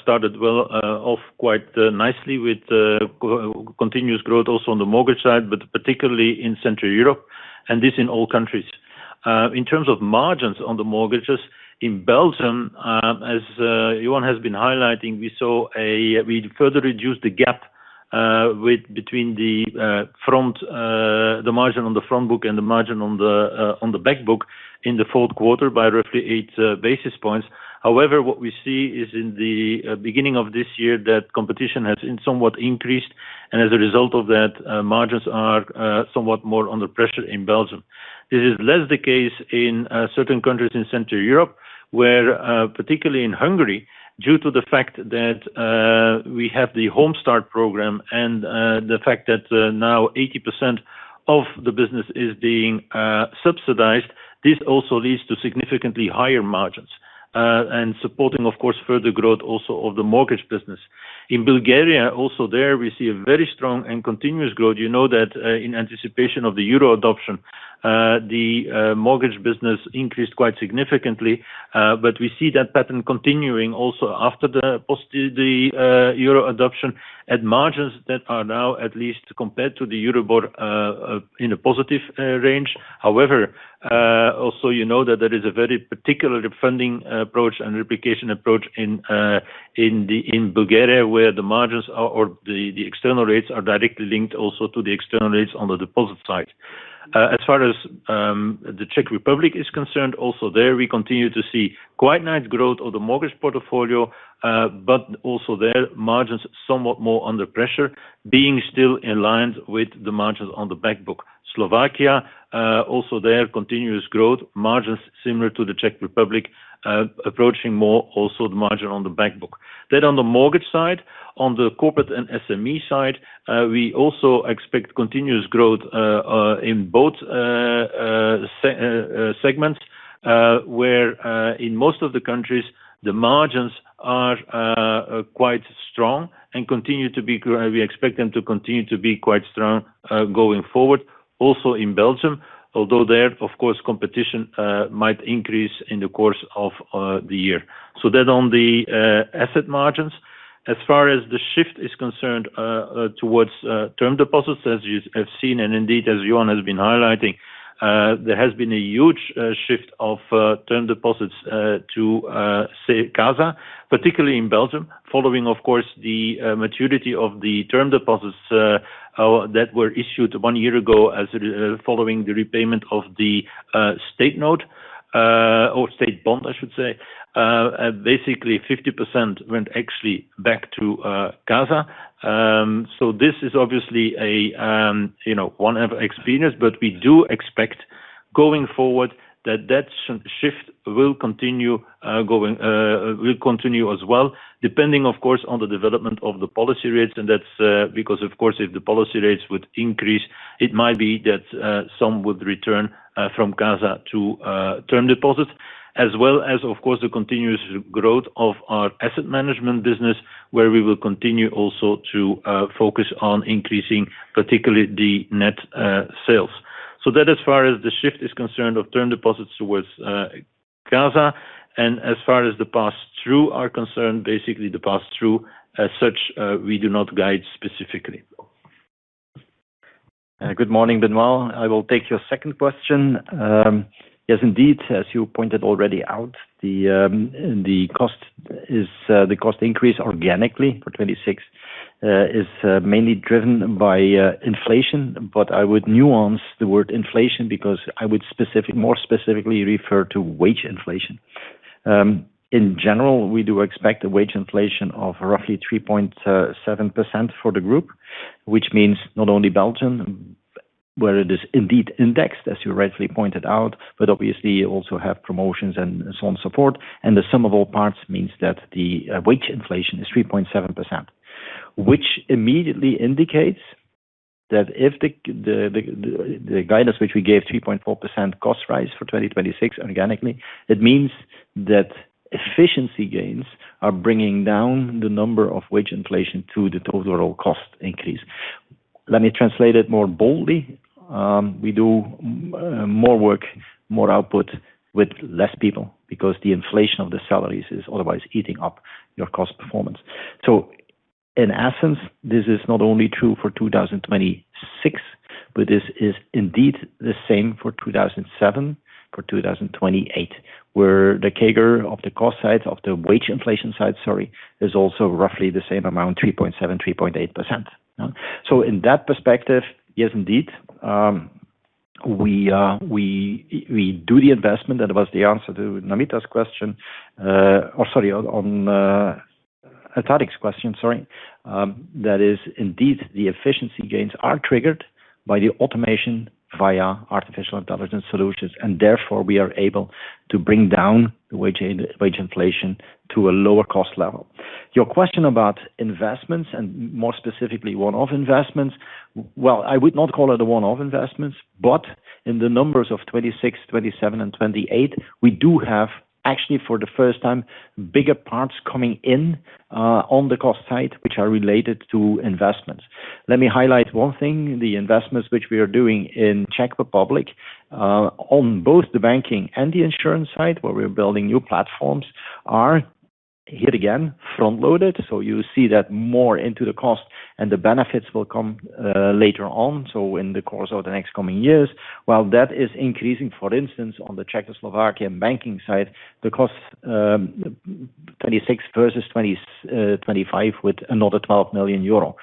started well off quite nicely with continuous growth also on the mortgage side, but particularly in Central Europe, and this in all countries. In terms of margins on the mortgages in Belgium, as Johan has been highlighting, we saw we further reduced the gap with between the front the margin on the front book and the margin on the on the back book in the fourth quarter by roughly 8 basis points. However, what we see is in the beginning of this year, that competition has in somewhat increased, and as a result of that, margins are somewhat more under pressure in Belgium. This is less the case in certain countries in Central Europe, where, particularly in Hungary, due to the fact that we have the Home Start program and the fact that now 80% of the business is being subsidized. This also leads to significantly higher margins, and supporting, of course, further growth also of the mortgage business. In Bulgaria, also there, we see a very strong and continuous growth. You know that, in anticipation of the euro adoption, the mortgage business increased quite significantly, but we see that pattern continuing also after the post-euro adoption at margins that are now at least compared to the Euribor in a positive range. However, also, you know, that there is a very particular funding approach and replication approach in Bulgaria, where the margins are, or the external rates are directly linked also to the external rates on the deposit side. As far as the Czech Republic is concerned, also there, we continue to see quite nice growth of the mortgage portfolio, but also there, margins somewhat more under pressure, being still in line with the margins on the back book. Slovakia, also their continuous growth margins similar to the Czech Republic, approaching more also the margin on the back book. Then on the mortgage side, on the corporate and SME side, we also expect continuous growth in both segments, where in most of the countries, the margins are quite strong and continue to be grow-- We expect them to continue to be quite strong going forward. Also in Belgium, although there, of course, competition might increase in the course of the year. So that on the asset margins. As far as the shift is concerned, towards term deposits, as you have seen, and indeed, as Johan has been highlighting, there has been a huge shift of term deposits to, say, CASA, particularly in Belgium, following, of course, the maturity of the term deposits that were issued one year ago following the repayment of the state note or state bond, I should say. Basically, 50% went actually back to CASA. So this is obviously a, you know, one-off experience, but we do expect, going forward, that that shift will continue as well, depending, of course, on the development of the policy rates. That's because, of course, if the policy rates would increase, it might be that some would return from CASA to term deposits, as well as, of course, the continuous growth of our asset management business, where we will continue also to focus on increasing, particularly the net sales. So that as far as the shift is concerned, of term deposits towards CASA, and as far as the pass-through are concerned, basically the pass-through as such, we do not guide specifically. Good morning, Benoit. I will take your second question. Yes, indeed, as you pointed already out, the cost increase organically for 2026 is mainly driven by inflation, but I would nuance the word inflation because I would more specifically refer to wage inflation. In general, we do expect a wage inflation of roughly 3.7% for the group, which means not only Belgium, where it is indeed indexed, as you rightly pointed out, but obviously you also have promotions and some support, and the sum of all parts means that the wage inflation is 3.7%. Which immediately indicates that if the guidance which we gave, 3.4% cost rise for 2026 organically, it means that efficiency gains are bringing down the number of wage inflation to the total cost increase. Let me translate it more boldly. We do more work, more output with less people because the inflation of the salaries is otherwise eating up your cost performance. So in essence, this is not only true for 2026, but this is indeed the same for 2027, for 2028, where the CAGR of the cost side, of the wage inflation side, sorry, is also roughly the same amount, 3.7%-3.8%. So in that perspective, yes, indeed, we do the investment. That was the answer to Namita's question. Sorry, on Tariq's question. That is indeed the efficiency gains are triggered by the automation via artificial intelligence solutions, and therefore, we are able to bring down wage inflation to a lower cost level. Your question about investments and more specifically, one-off investments. Well, I would not call it one-off investments, but in the numbers of 2026, 2027, and 2028, we do have, actually for the first time, bigger parts coming in on the cost side, which are related to investments. Let me highlight one thing, the investments which we are doing in Czech Republic on both the banking and the insurance side, where we're building new platforms, are yet again front-loaded, so you see that more into the cost and the benefits will come later on. So in the course of the next coming years, while that is increasing, for instance, on the Czechoslovakia banking side, the cost, 26 versus 20, 25 with another 12 million euro.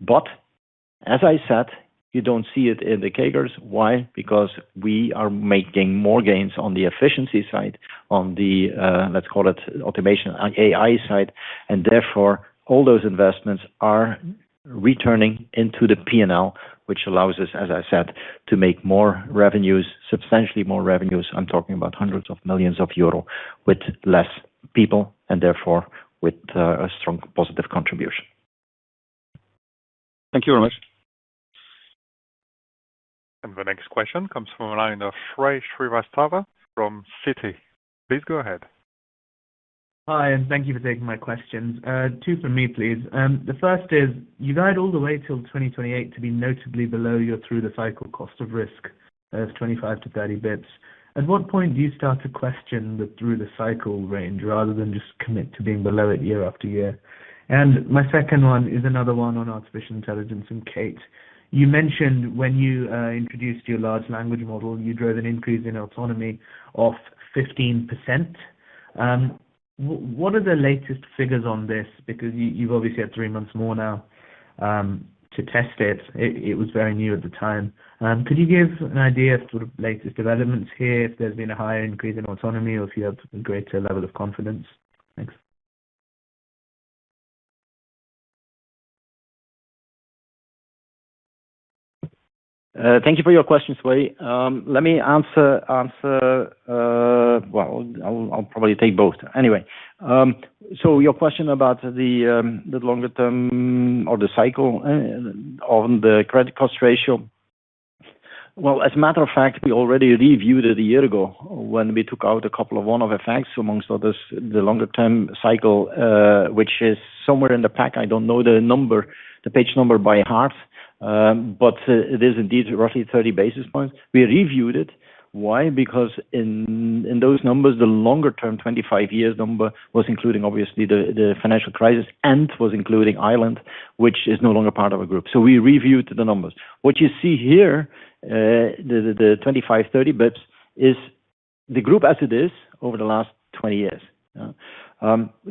But as I said, you don't see it in the CAGRs. Why? Because we are making more gains on the efficiency side, on the, let's call it automation, on AI side, and therefore, all those investments are returning into the P&L, which allows us, as I said, to make more revenues, substantially more revenues. I'm talking about hundreds of millions EUR with less people and therefore with, a strong positive contribution. Thank you very much. The next question comes from a line of Shrey Srivastava from Citi. Please go ahead. Hi, and thank you for taking my questions. Two for me, please. The first is: you guide all the way till 2028 to be notably below your through the cycle cost of risk, 25-30 basis points. At what point do you start to question the through the cycle range, rather than just commit to being below it year after year? And my second one is another one on artificial intelligence and Kate. You mentioned when you introduced your large language model, you drove an increase in autonomy of 15%. What are the latest figures on this? Because you, you've obviously had three months more now to test it. It was very new at the time. Could you give an idea of sort of latest developments here, if there's been a higher increase in autonomy or if you have a greater level of confidence? Thanks. Thank you for your question, Shrey. Let me answer. Well, I'll probably take both. Anyway, so your question about the longer term or the cycle on the credit cost ratio. Well, as a matter of fact, we already reviewed it a year ago when we took out a couple of one-off effects, among others, the longer term cycle, which is somewhere in the pack. I don't know the number, the page number by heart, but it is indeed roughly 30 basis points. We reviewed it. Why? Because in those numbers, the longer-term 25 years number was including obviously the financial crisis and was including Ireland, which is no longer part of a group. So we reviewed the numbers. What you see here, the 25-30 basis points, is the group as it is over the last 20 years.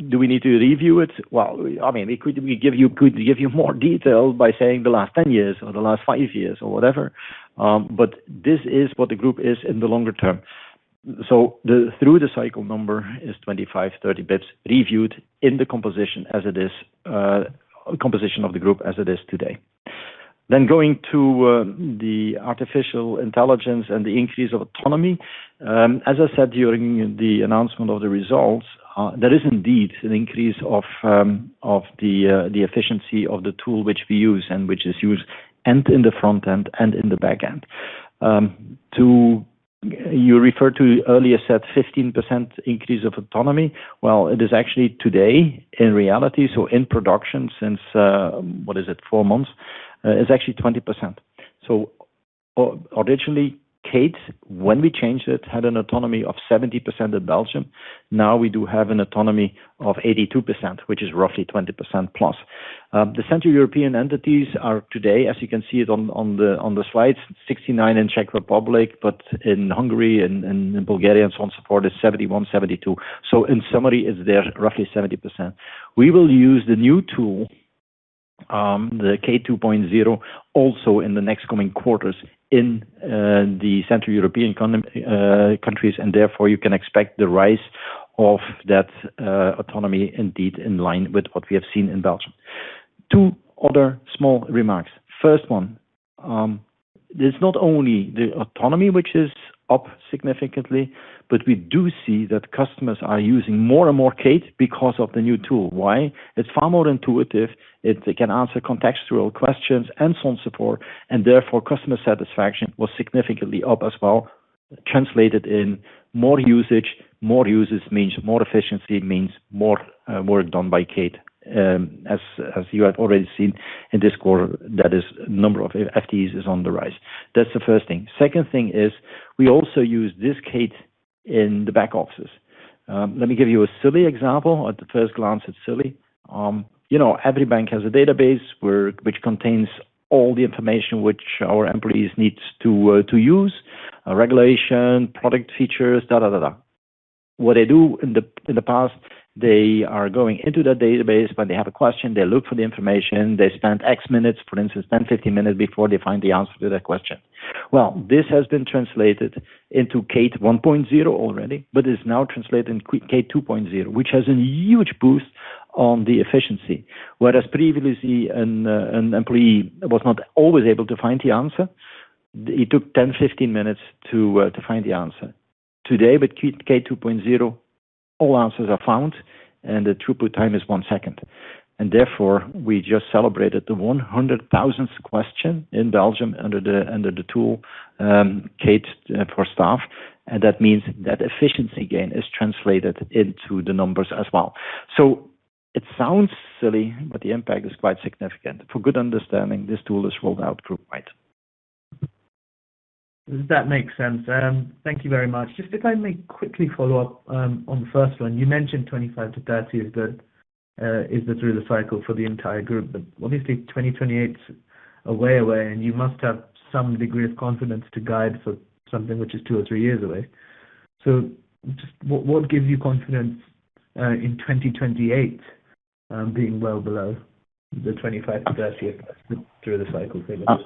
Do we need to review it? Well, I mean, we could give you more details by saying the last 10 years or the last 5 years or whatever, but this is what the group is in the longer term. So the through-the-cycle number is 25-30 basis points, reviewed in the composition as it is, composition of the group as it is today. Then going to the artificial intelligence and the increase of autonomy. As I said, during the announcement of the results, there is indeed an increase of the efficiency of the tool which we use and which is used in the front end and in the back end. You referred to earlier, said 15% increase of autonomy. Well, it is actually today in reality, so in production since, what is it? Four months, is actually 20%. So originally, Kate, when we changed it, had an autonomy of 70% in Belgium. Now we do have an autonomy of 82%, which is roughly 20%+. The Central European entities are today, as you can see it on the slides, 69% in Czech Republic, but in Hungary and in Bulgaria and so on, support is 71%, 72%. So in summary, is there roughly 70%. We will use the new tool-... the Kate 2.0 also in the next coming quarters in the Central European countries, and therefore you can expect the rise of that autonomy indeed, in line with what we have seen in Belgium. Two other small remarks. First one, it's not only the autonomy which is up significantly, but we do see that customers are using more and more Kate because of the new tool. Why? It's far more intuitive, it they can answer contextual questions and some support, and therefore, customer satisfaction was significantly up as well, translated in more usage. More users means more efficiency, means more work done by Kate. As you have already seen in this quarter, that is, number of FTEs is on the rise. That's the first thing. Second thing is, we also use this Kate in the back offices. Let me give you a silly example. At first glance, it's silly. You know, every bank has a database which contains all the information which our employees needs to use regulation, product features, da da da da. What they do in the past, they are going into the database, when they have a question, they look for the information, they spend X minutes, for instance, 10, 15 minutes before they find the answer to that question. Well, this has been translated into Kate 1.0 already, but is now translated in Kate 2.0, which has a huge boost on the efficiency. Whereas previously an employee was not always able to find the answer, it took 10, 15 minutes to find the answer. Today, with Kate 2.0, all answers are found, and the throughput time is one second, and therefore, we just celebrated the 100,000th question in Belgium under the, under the tool, Kate, for staff, and that means that efficiency gain is translated into the numbers as well. So it sounds silly, but the impact is quite significant. For good understanding, this tool is rolled out group wide. That makes sense. Thank you very much. Just if I may quickly follow up on the first one. You mentioned 25-30 is the through the cycle for the entire group, but obviously 2028's a way away, and you must have some degree of confidence to guide for something which is two or three years away. So just what, what gives you confidence in 2028 being well below the 25-30 through the cycle? Now,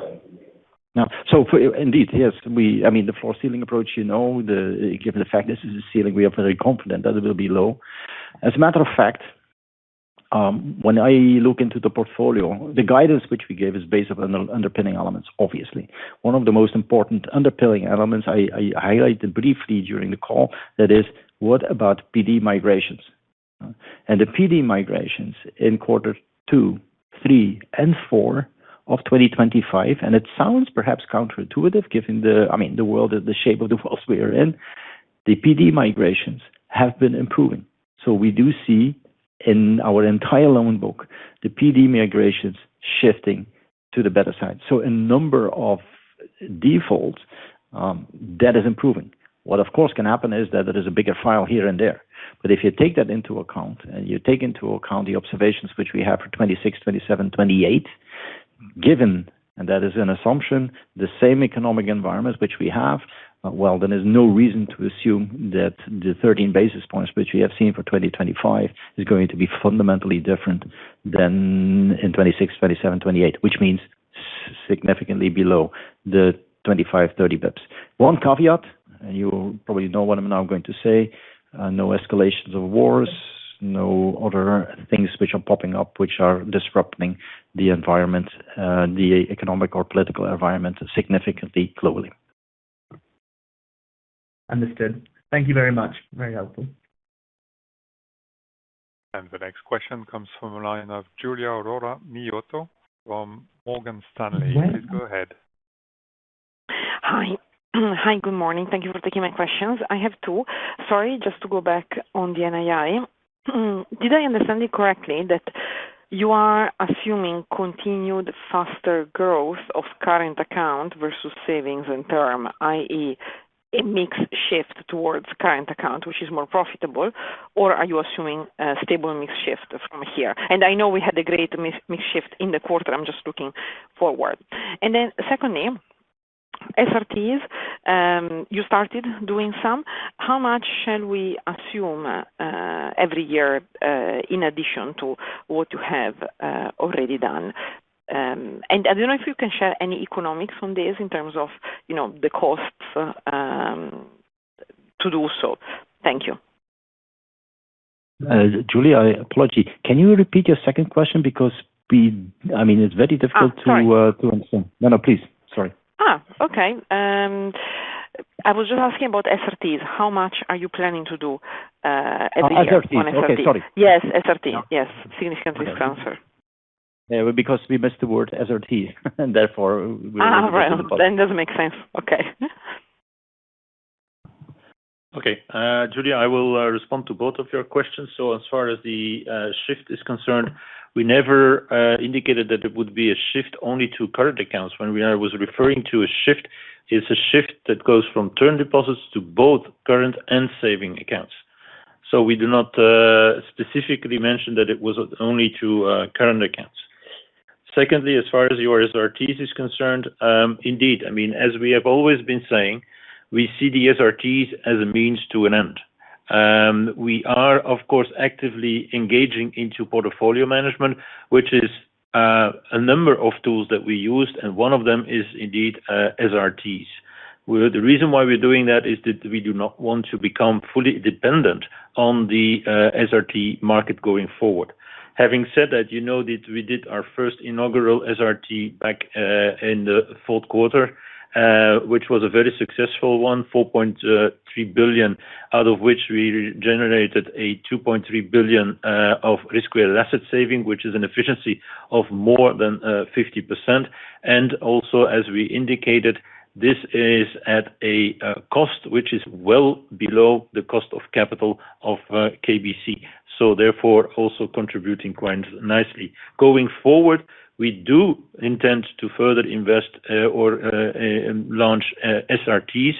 so for... Indeed, yes, we—I mean, the floor ceiling approach, you know, the, given the fact this is a ceiling, we are very confident that it will be low. As a matter of fact, when I look into the portfolio, the guidance which we gave is based on the underpinning elements, obviously. One of the most important underpinning elements I highlighted briefly during the call, that is, what about PD migrations? And the PD migrations in quarter two, three, and four of 2025, and it sounds perhaps counterintuitive, given the, I mean, the world and the shape of the world we are in, the PD migrations have been improving. So we do see in our entire loan book, the PD migrations shifting to the better side. So a number of defaults, that is improving. Well, of course, can happen is that there is a bigger file here and there, but if you take that into account, and you take into account the observations which we have for 2026, 2027, 2028, given, and that is an assumption, the same economic environment which we have, well, then there's no reason to assume that the 13 basis points, which we have seen for 2025, is going to be fundamentally different than in 2026, 2027, 2028, which means significantly below the 25-30 basis points. One caveat, and you probably know what I'm now going to say, no escalations of wars, no other things which are popping up, which are disrupting the environment, the economic or political environment significantly globally. Understood. Thank you very much. Very helpful. The next question comes from a line of Giulia Aurora Miotto from Morgan Stanley. Please go ahead. Hi. Hi, good morning. Thank you for taking my questions. I have two. Sorry, just to go back on the NII. Did I understand it correctly, that you are assuming continued faster growth of current account versus savings in term, i.e., a mix shift towards current account, which is more profitable, or are you assuming a stable mix shift from here? And I know we had a great mix shift in the quarter, I'm just looking forward. And then secondly, SRTs, you started doing some. How much shall we assume every year in addition to what you have already done? And I don't know if you can share any economics on this in terms of, you know, the costs to do so. Thank you. Giulia, I apologize. Can you repeat your second question? Because I mean, it's very difficult to, Ah, sorry. to understand. No, no, please. Sorry. Ah, okay. I was just asking about SRTs. How much are you planning to do every year- Ah, SRT. On SRT. Okay, sorry. Yes, SRT. Yes. Significant Risk Transfer. Yeah, because we missed the word SRT, and therefore we- Ah, right. Then it doesn't make sense. Okay. Okay. Giulia, I will respond to both of your questions. So as far as the shift is concerned, we never indicated that it would be a shift only to current accounts. When we was referring to a shift, it's a shift that goes from term deposits to both current and saving accounts. So we do not specifically mention that it was only to current accounts. Secondly, as far as your SRTs is concerned, indeed, I mean, as we have always been saying, we see the SRTs as a means to an end. We are, of course, actively engaging into portfolio management, which is a number of tools that we used, and one of them is indeed SRTs. Well, the reason why we're doing that is that we do not want to become fully dependent on the SRT market going forward. Having said that, you know, that we did our first inaugural SRT back in the fourth quarter, which was a very successful one, 4.3 billion, out of which we re-generated a 2.3 billion of risk-weighted asset saving, which is an efficiency of more than 50%. And also, as we indicated, this is at a cost, which is well below the cost of capital of KBC, so therefore, also contributing quite nicely. Going forward, we do intend to further invest or launch SRTs.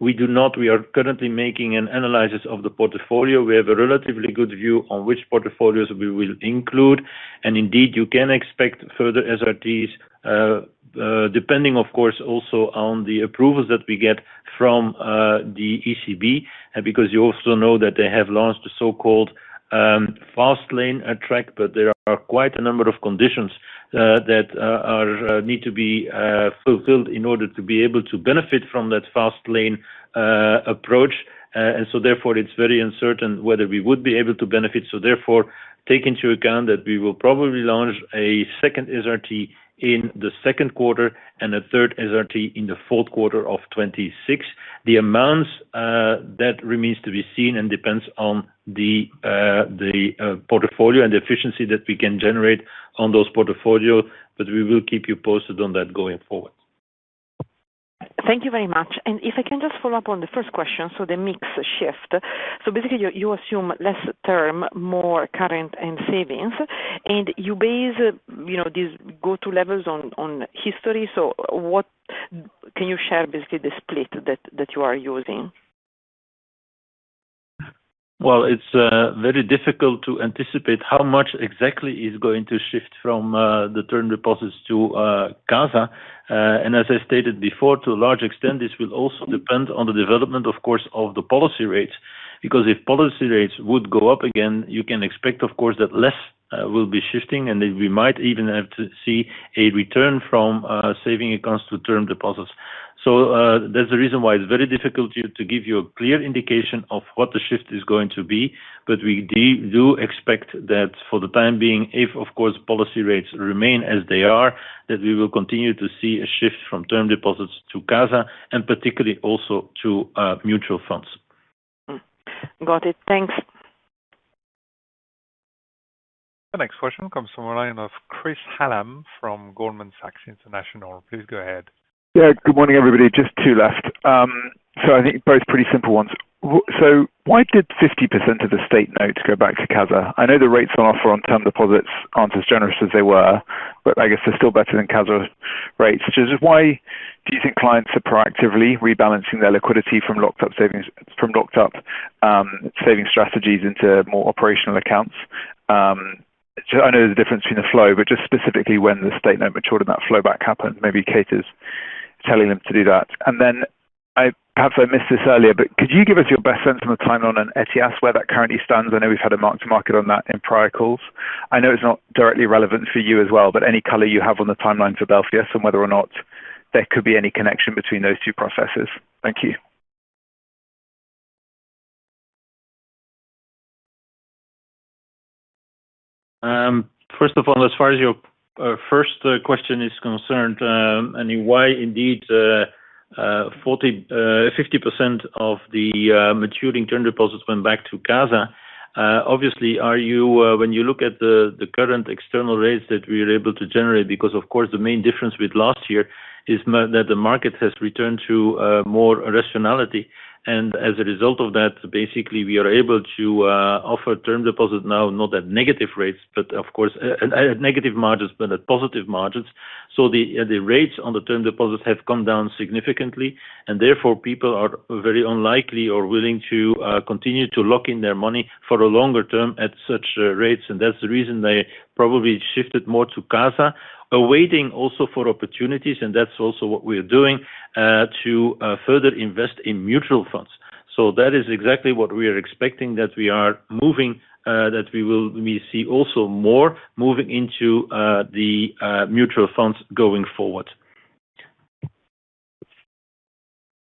We are currently making an analysis of the portfolio. We have a relatively good view on which portfolios we will include, and indeed, you can expect further SRTs, depending, of course, also on the approvals that we get from the ECB. Because you also know that they have launched a so-called fast lane track, but there are quite a number of conditions that need to be fulfilled in order to be able to benefit from that fast lane approach. And so therefore, it's very uncertain whether we would be able to benefit. So therefore, take into account that we will probably launch a second SRT in the second quarter and a third SRT in the fourth quarter of 2026. The amounts that remains to be seen and depends on the portfolio and the efficiency that we can generate on those portfolio, but we will keep you posted on that going forward. Thank you very much. If I can just follow up on the first question, so the mix shift. So basically, you assume less term, more current and savings, and you base, you know, these go-to levels on history. So what can you share, basically, the split that you are using? Well, it's very difficult to anticipate how much exactly is going to shift from the term deposits to CASA. And as I stated before, to a large extent, this will also depend on the development, of course, of the policy rates. Because if policy rates would go up again, you can expect, of course, that less will be shifting, and then we might even have to see a return from saving accounts to term deposits. So, that's the reason why it's very difficult to give you a clear indication of what the shift is going to be. But we do expect that for the time being, if, of course, policy rates remain as they are, that we will continue to see a shift from term deposits to CASA and particularly also to mutual funds. Got it. Thanks. The next question comes from a line of Chris Hallam from Goldman Sachs International. Please go ahead. Yeah, good morning, everybody. Just two left. So I think both pretty simple ones. So why did 50% of the state notes go back to CASA? I know the rates on offer on term deposits aren't as generous as they were, but I guess they're still better than CASA rates. Just why do you think clients are proactively rebalancing their liquidity from locked up savings, from locked up, saving strategies into more operational accounts? So I know there's a difference between the flow, but just specifically when the state note matured and that flowback happened, maybe cases telling them to do that. And then perhaps I missed this earlier, but could you give us your best sense on the timeline on Ethias, where that currently stands? I know we've had a mark to market on that in prior calls. I know it's not directly relevant for you as well, but any color you have on the timeline for Belfius and whether or not there could be any connection between those two processes? Thank you. First of all, as far as your first question is concerned, and why indeed 40%-50% of the maturing term deposits went back to CASA. Obviously, when you look at the current external rates that we are able to generate, because of course, the main difference with last year is that the market has returned to more rationality. And as a result of that, basically, we are able to offer term deposits now, not at negative rates, but of course negative margins, but at positive margins. So the rates on the term deposits have come down significantly, and therefore, people are very unlikely or willing to continue to lock in their money for a longer term at such rates. That's the reason they probably shifted more to CASA, waiting also for opportunities, and that's also what we're doing, to further invest in mutual funds. That is exactly what we are expecting, that we are moving, that we will—we see also more moving into the mutual funds going forward.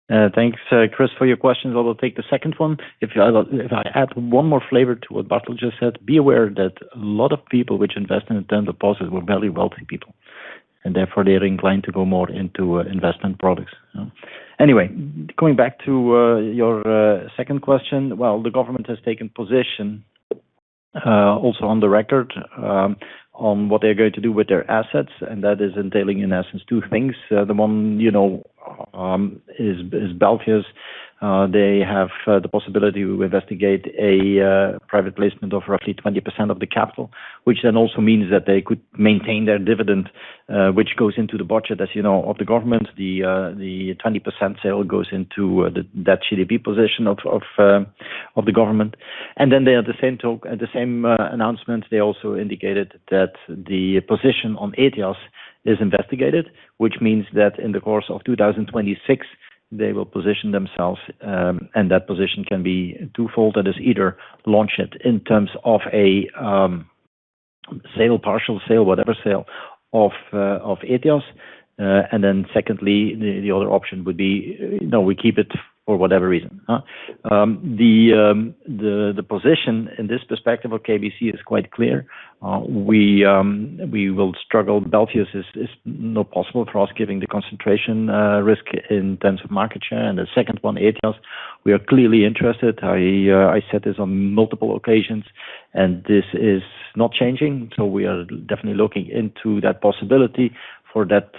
Thanks, Chris, for your questions. I will take the second one. If I add one more flavor to what Bartel just said, be aware that a lot of people which invest in term deposits were very wealthy people, and therefore they are inclined to go more into investment products. Anyway, going back to your second question. Well, the government has taken position also on the record on what they're going to do with their assets, and that is entailing, in essence, two things. The one, you know, is Belfius. They have the possibility to investigate a private placement of roughly 20% of the capital, which then also means that they could maintain their dividend, which goes into the budget, as you know, of the government. The 20% sale goes into that GDP position of the government, and then they are the same talk, the same announcement. They also indicated that the position on ETFs is investigated, which means that in the course of 2026, they will position themselves, and that position can be twofold, that is, either launch it in terms of a sale, partial sale, whatever sale of Ethias. And then secondly, the other option would be, no, we keep it for whatever reason, huh? The position in this perspective of KBC is quite clear. We will struggle. Belfius is not possible for us, giving the concentration risk in terms of market share. And the second one, Ethias, we are clearly interested. I said this on multiple occasions, and this is not changing, so we are definitely looking into that possibility. For that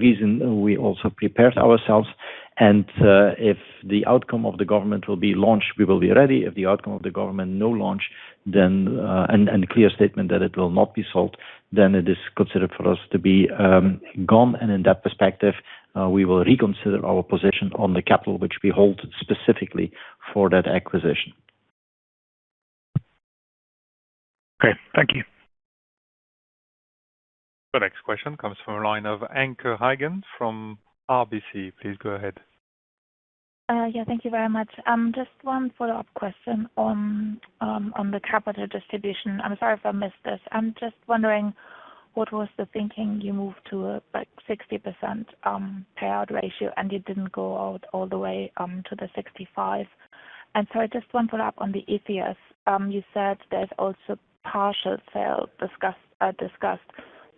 reason, we also prepared ourselves, and if the outcome of the government will be launched, we will be ready. If the outcome of the government no launch, then and clear statement that it will not be sold, then it is considered for us to be gone. And in that perspective, we will reconsider our position on the capital, which we hold specifically for that acquisition. Great, thank you. The next question comes from a line of Anke Reingen from RBC. Please go ahead. Yeah, thank you very much. Just one follow-up question on the capital distribution. I'm sorry if I missed this. I'm just wondering, what was the thinking you moved to, like, 60% payout ratio, and you didn't go out all the way to the 65? And so I just one follow-up on the Ethias. You said there's also partial sale discussed.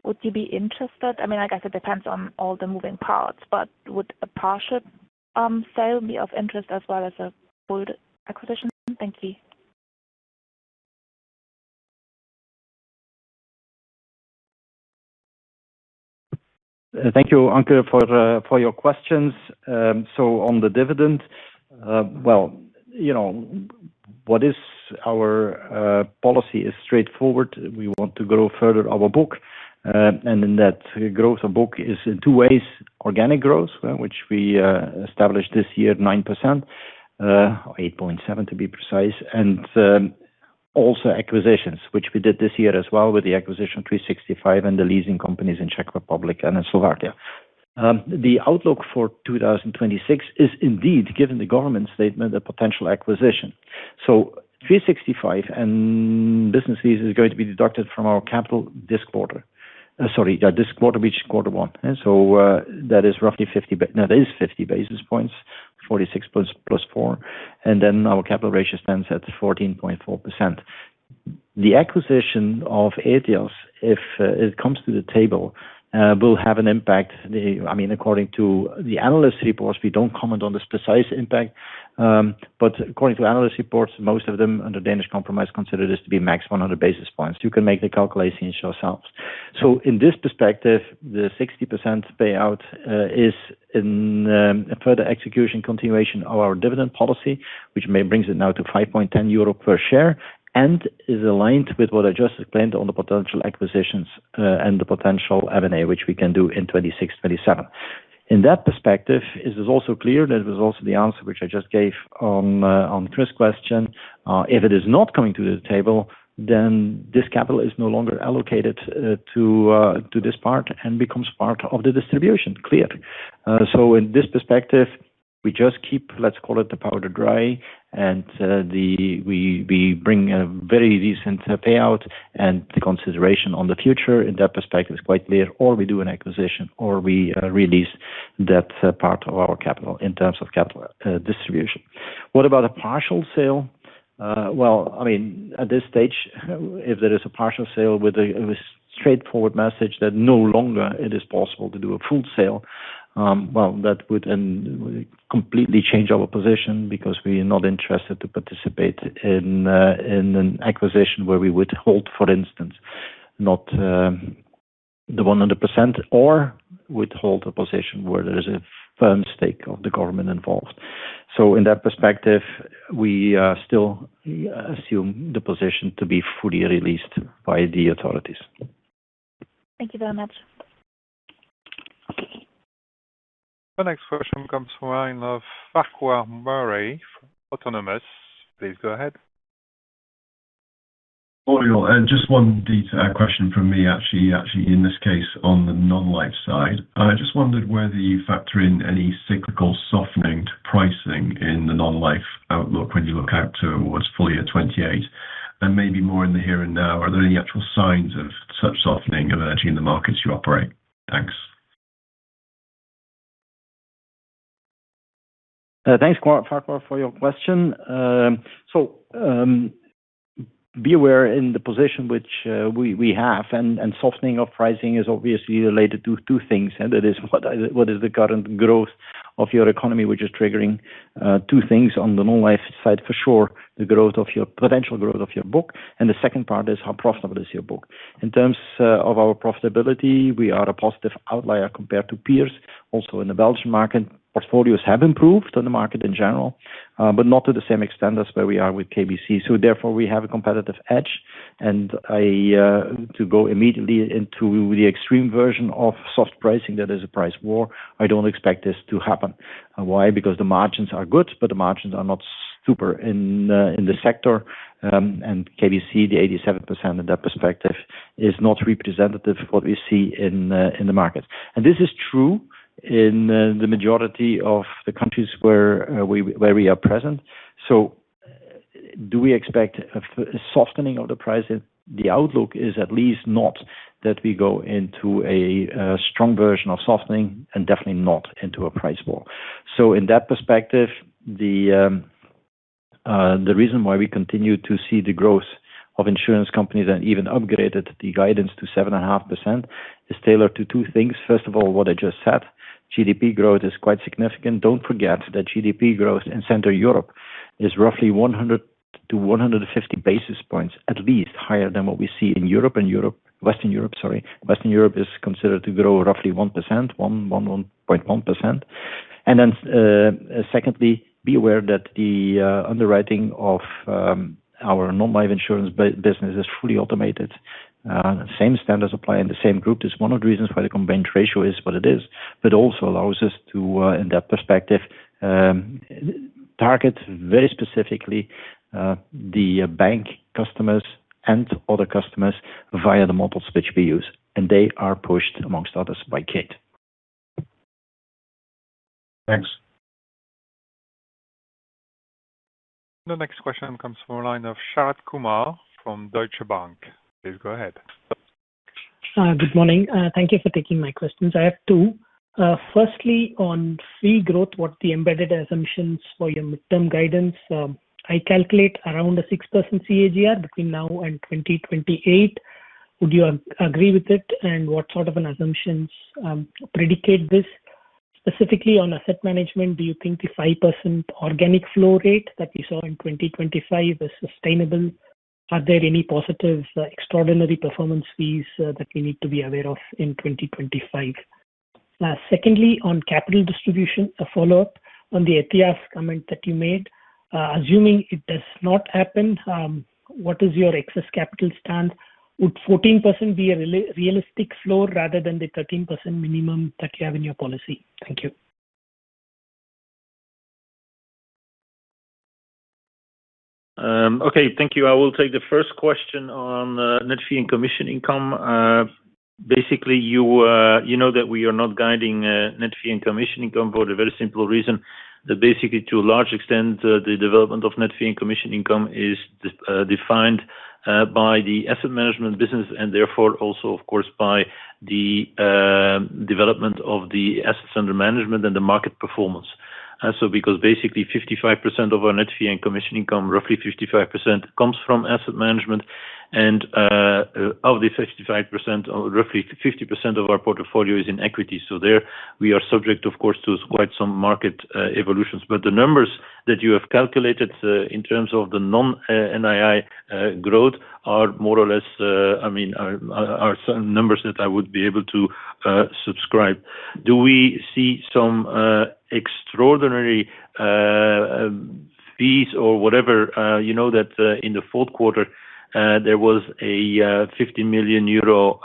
Would you be interested? I mean, I guess it depends on all the moving parts, but would a partial sale be of interest as well as a full acquisition? Thank you. Thank you, Anke, for your questions. So on the dividend, well, you know, what is our policy is straightforward. We want to grow further our book. And in that growth of book is in two ways: organic growth, which we established this year, 9%, 8.7%, to be precise, and also acquisitions, which we did this year as well, with the acquisition 365.bank and the leasing companies in Czech Republic and in Slovakia. The outlook for 2026 is indeed, given the government statement, a potential acquisition. So 365.bank and businesses is going to be deducted from our capital this quarter. Sorry, yeah, this quarter, which is quarter one. That is roughly 50 basis points, 46 + 4, and then our capital ratio stands at 14.4%. The acquisition of Ethias, if it comes to the table, will have an impact. I mean, according to the analyst reports, we don't comment on the precise impact, but according to analyst reports, most of them, under Danish compromise, consider this to be max 100 basis points. You can make the calculations yourselves. So in this perspective, the 60% payout is in a further execution continuation of our dividend policy, which may brings it now to 5.10 euro per share, and is aligned with what I just explained on the potential acquisitions, and the potential M&A, which we can do in 2026, 2027. In that perspective, it is also clear, that was also the answer which I just gave on, on Chris' question. If it is not coming to the table, then this capital is no longer allocated, to, to this part and becomes part of the distribution, clear. So in this perspective, we just keep, let's call it, the powder dry, and, we bring a very decent payout, and the consideration on the future in that perspective is quite clear. Or we do an acquisition, or we, release that, part of our capital in terms of capital, distribution. What about a partial sale? Well, I mean, at this stage, if there is a partial sale with a straightforward message that no longer it is possible to do a full sale, well, that would then completely change our position because we are not interested to participate in an acquisition where we would hold, for instance, not the 100% or withhold a position where there is a firm stake of the government involved. So in that perspective, we still assume the position to be fully released by the authorities. Thank you very much. The next question comes from line of Farquhar Murray, Autonomous. Please go ahead. Hello, and just one detail, question from me, actually, in this case, on the non-life side. I just wondered whether you factor in any cyclical softening to pricing in the non-life outlook when you look out to what's full year 2028. And maybe more in the here and now, are there any actual signs of such softening emerging in the markets you operate? Thanks. Thanks, Farquhar, for your question. So, be aware in the position which we have, and softening of pricing is obviously related to two things, and that is, what is the current growth of your economy, which is triggering two things on the non-life side, for sure, the potential growth of your book, and the second part is, how profitable is your book? In terms of our profitability, we are a positive outlier compared to peers. Also, in the Belgian market, portfolios have improved on the market in general, but not to the same extent as where we are with KBC. So therefore, we have a competitive edge and to go immediately into the extreme version of soft pricing, that is a price war, I don't expect this to happen. Why? Because the margins are good, but the margins are not so super in the sector, and KBC, the 87% in that perspective, is not representative of what we see in the market. And this is true in the majority of the countries where we are present. So do we expect a softening of the prices? The outlook is at least not that we go into a strong version of softening and definitely not into a price war. So in that perspective, the reason why we continue to see the growth of insurance companies and even upgraded the guidance to 7.5% is tailored to two things. First of all, what I just said, GDP growth is quite significant. Don't forget that GDP growth in Central Europe is roughly 100-150 basis points, at least higher than what we see in Europe and Western Europe, sorry. Western Europe is considered to grow roughly 1%, 1.1%. Secondly, be aware that the underwriting of our non-life insurance business is fully automated. Same standards apply in the same group. That's one of the reasons why the combined ratio is what it is, but also allows us to, in that perspective, target very specifically the bank customers and other customers via the models which we use, and they are pushed, amongst others, by Kate. Thanks. The next question comes from the line of Sharath Kumar from Deutsche Bank. Please go ahead. Good morning. Thank you for taking my questions. I have two. Firstly, on fee growth, what the embedded assumptions for your midterm guidance, I calculate around a 6% CAGR between now and 2028. Would you agree with it? And what sort of an assumptions predicate this. Specifically on asset management, do you think the 5% organic flow rate that we saw in 2025 is sustainable? Are there any positive, extraordinary performance fees that we need to be aware of in 2025? Secondly, on capital distribution, a follow-up on the ATS comment that you made. Assuming it does not happen, what is your excess capital stand? Would 14% be a realistic floor rather than the 13% minimum that you have in your policy? Thank you. Okay, thank you. I will take the first question on net fee and commission income. Basically, you know that we are not guiding net fee and commission income for the very simple reason that basically, to a large extent, the development of net fee and commission income is defined by the asset management business, and therefore also, of course, by the development of the assets under management and the market performance. So because basically 55% of our net fee and commission income, roughly 55%, comes from asset management, and of the 55%, roughly 50% of our portfolio is in equity. So there we are subject, of course, to quite some market evolutions. But the numbers that you have calculated in terms of the non NII growth are more or less, I mean, are certain numbers that I would be able to subscribe. Do we see some extraordinary fees or whatever? You know that in the fourth quarter there was a 50 million euro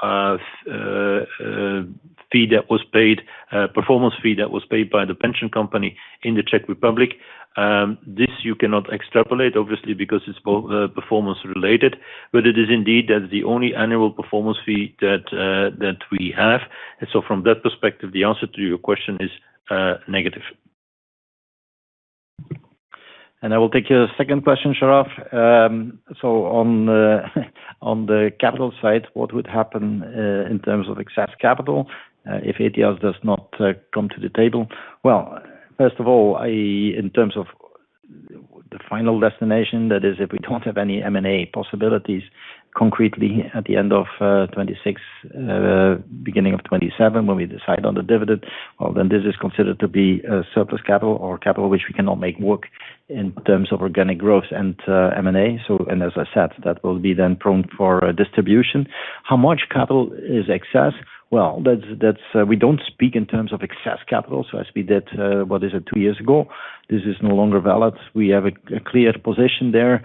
fee that was paid, performance fee that was paid by the pension company in the Czech Republic. This you cannot extrapolate, obviously, because it's performance-related, but it is indeed the only annual performance fee that we have. And so from that perspective, the answer to your question is negative. And I will take your second question, Sharath. So on the capital side, what would happen in terms of excess capital if ATS does not come to the table? Well, first of all, in terms of the final destination, that is, if we don't have any M&A possibilities concretely at the end of 2026, beginning of 2027, when we decide on the dividend, well, then this is considered to be surplus capital or capital which we cannot make work in terms of organic growth and M&A. So, and as I said, that will be then prone for distribution. How much capital is excess? Well, that's, we don't speak in terms of excess capital, so as we did what is it? Two years ago. This is no longer valid. We have a clear position there.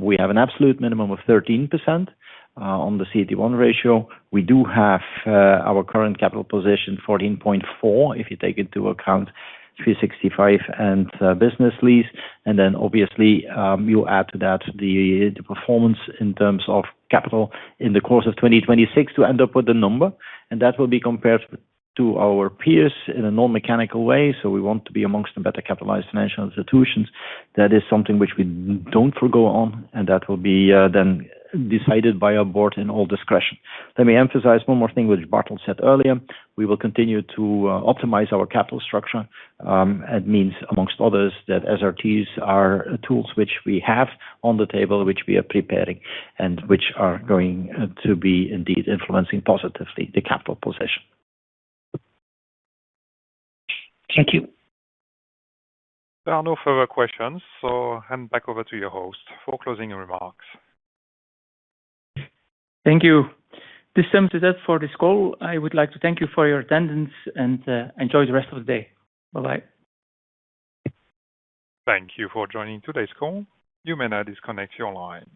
We have an absolute minimum of 13% on the CET1 ratio. We do have our current capital position, 14.4, if you take into account 365 and business lease, and then obviously you add to that the performance in terms of capital in the course of 2026 to end up with a number, and that will be compared to our peers in a non-mechanical way. So we want to be amongst the better capitalized financial institutions. That is something which we don't forego on, and that will be then decided by our board in all discretion. Let me emphasize one more thing, which Bartel said earlier. We will continue to optimize our capital structure, and means, among others, that SRTs are tools which we have on the table, which we are preparing, and which are going to be indeed influencing positively the capital position. Thank you. There are no further questions, so hand back over to your host for closing remarks. Thank you. This comes to that for this call. I would like to thank you for your attendance, and enjoy the rest of the day. Bye-bye. Thank you for joining today's call. You may now disconnect your line.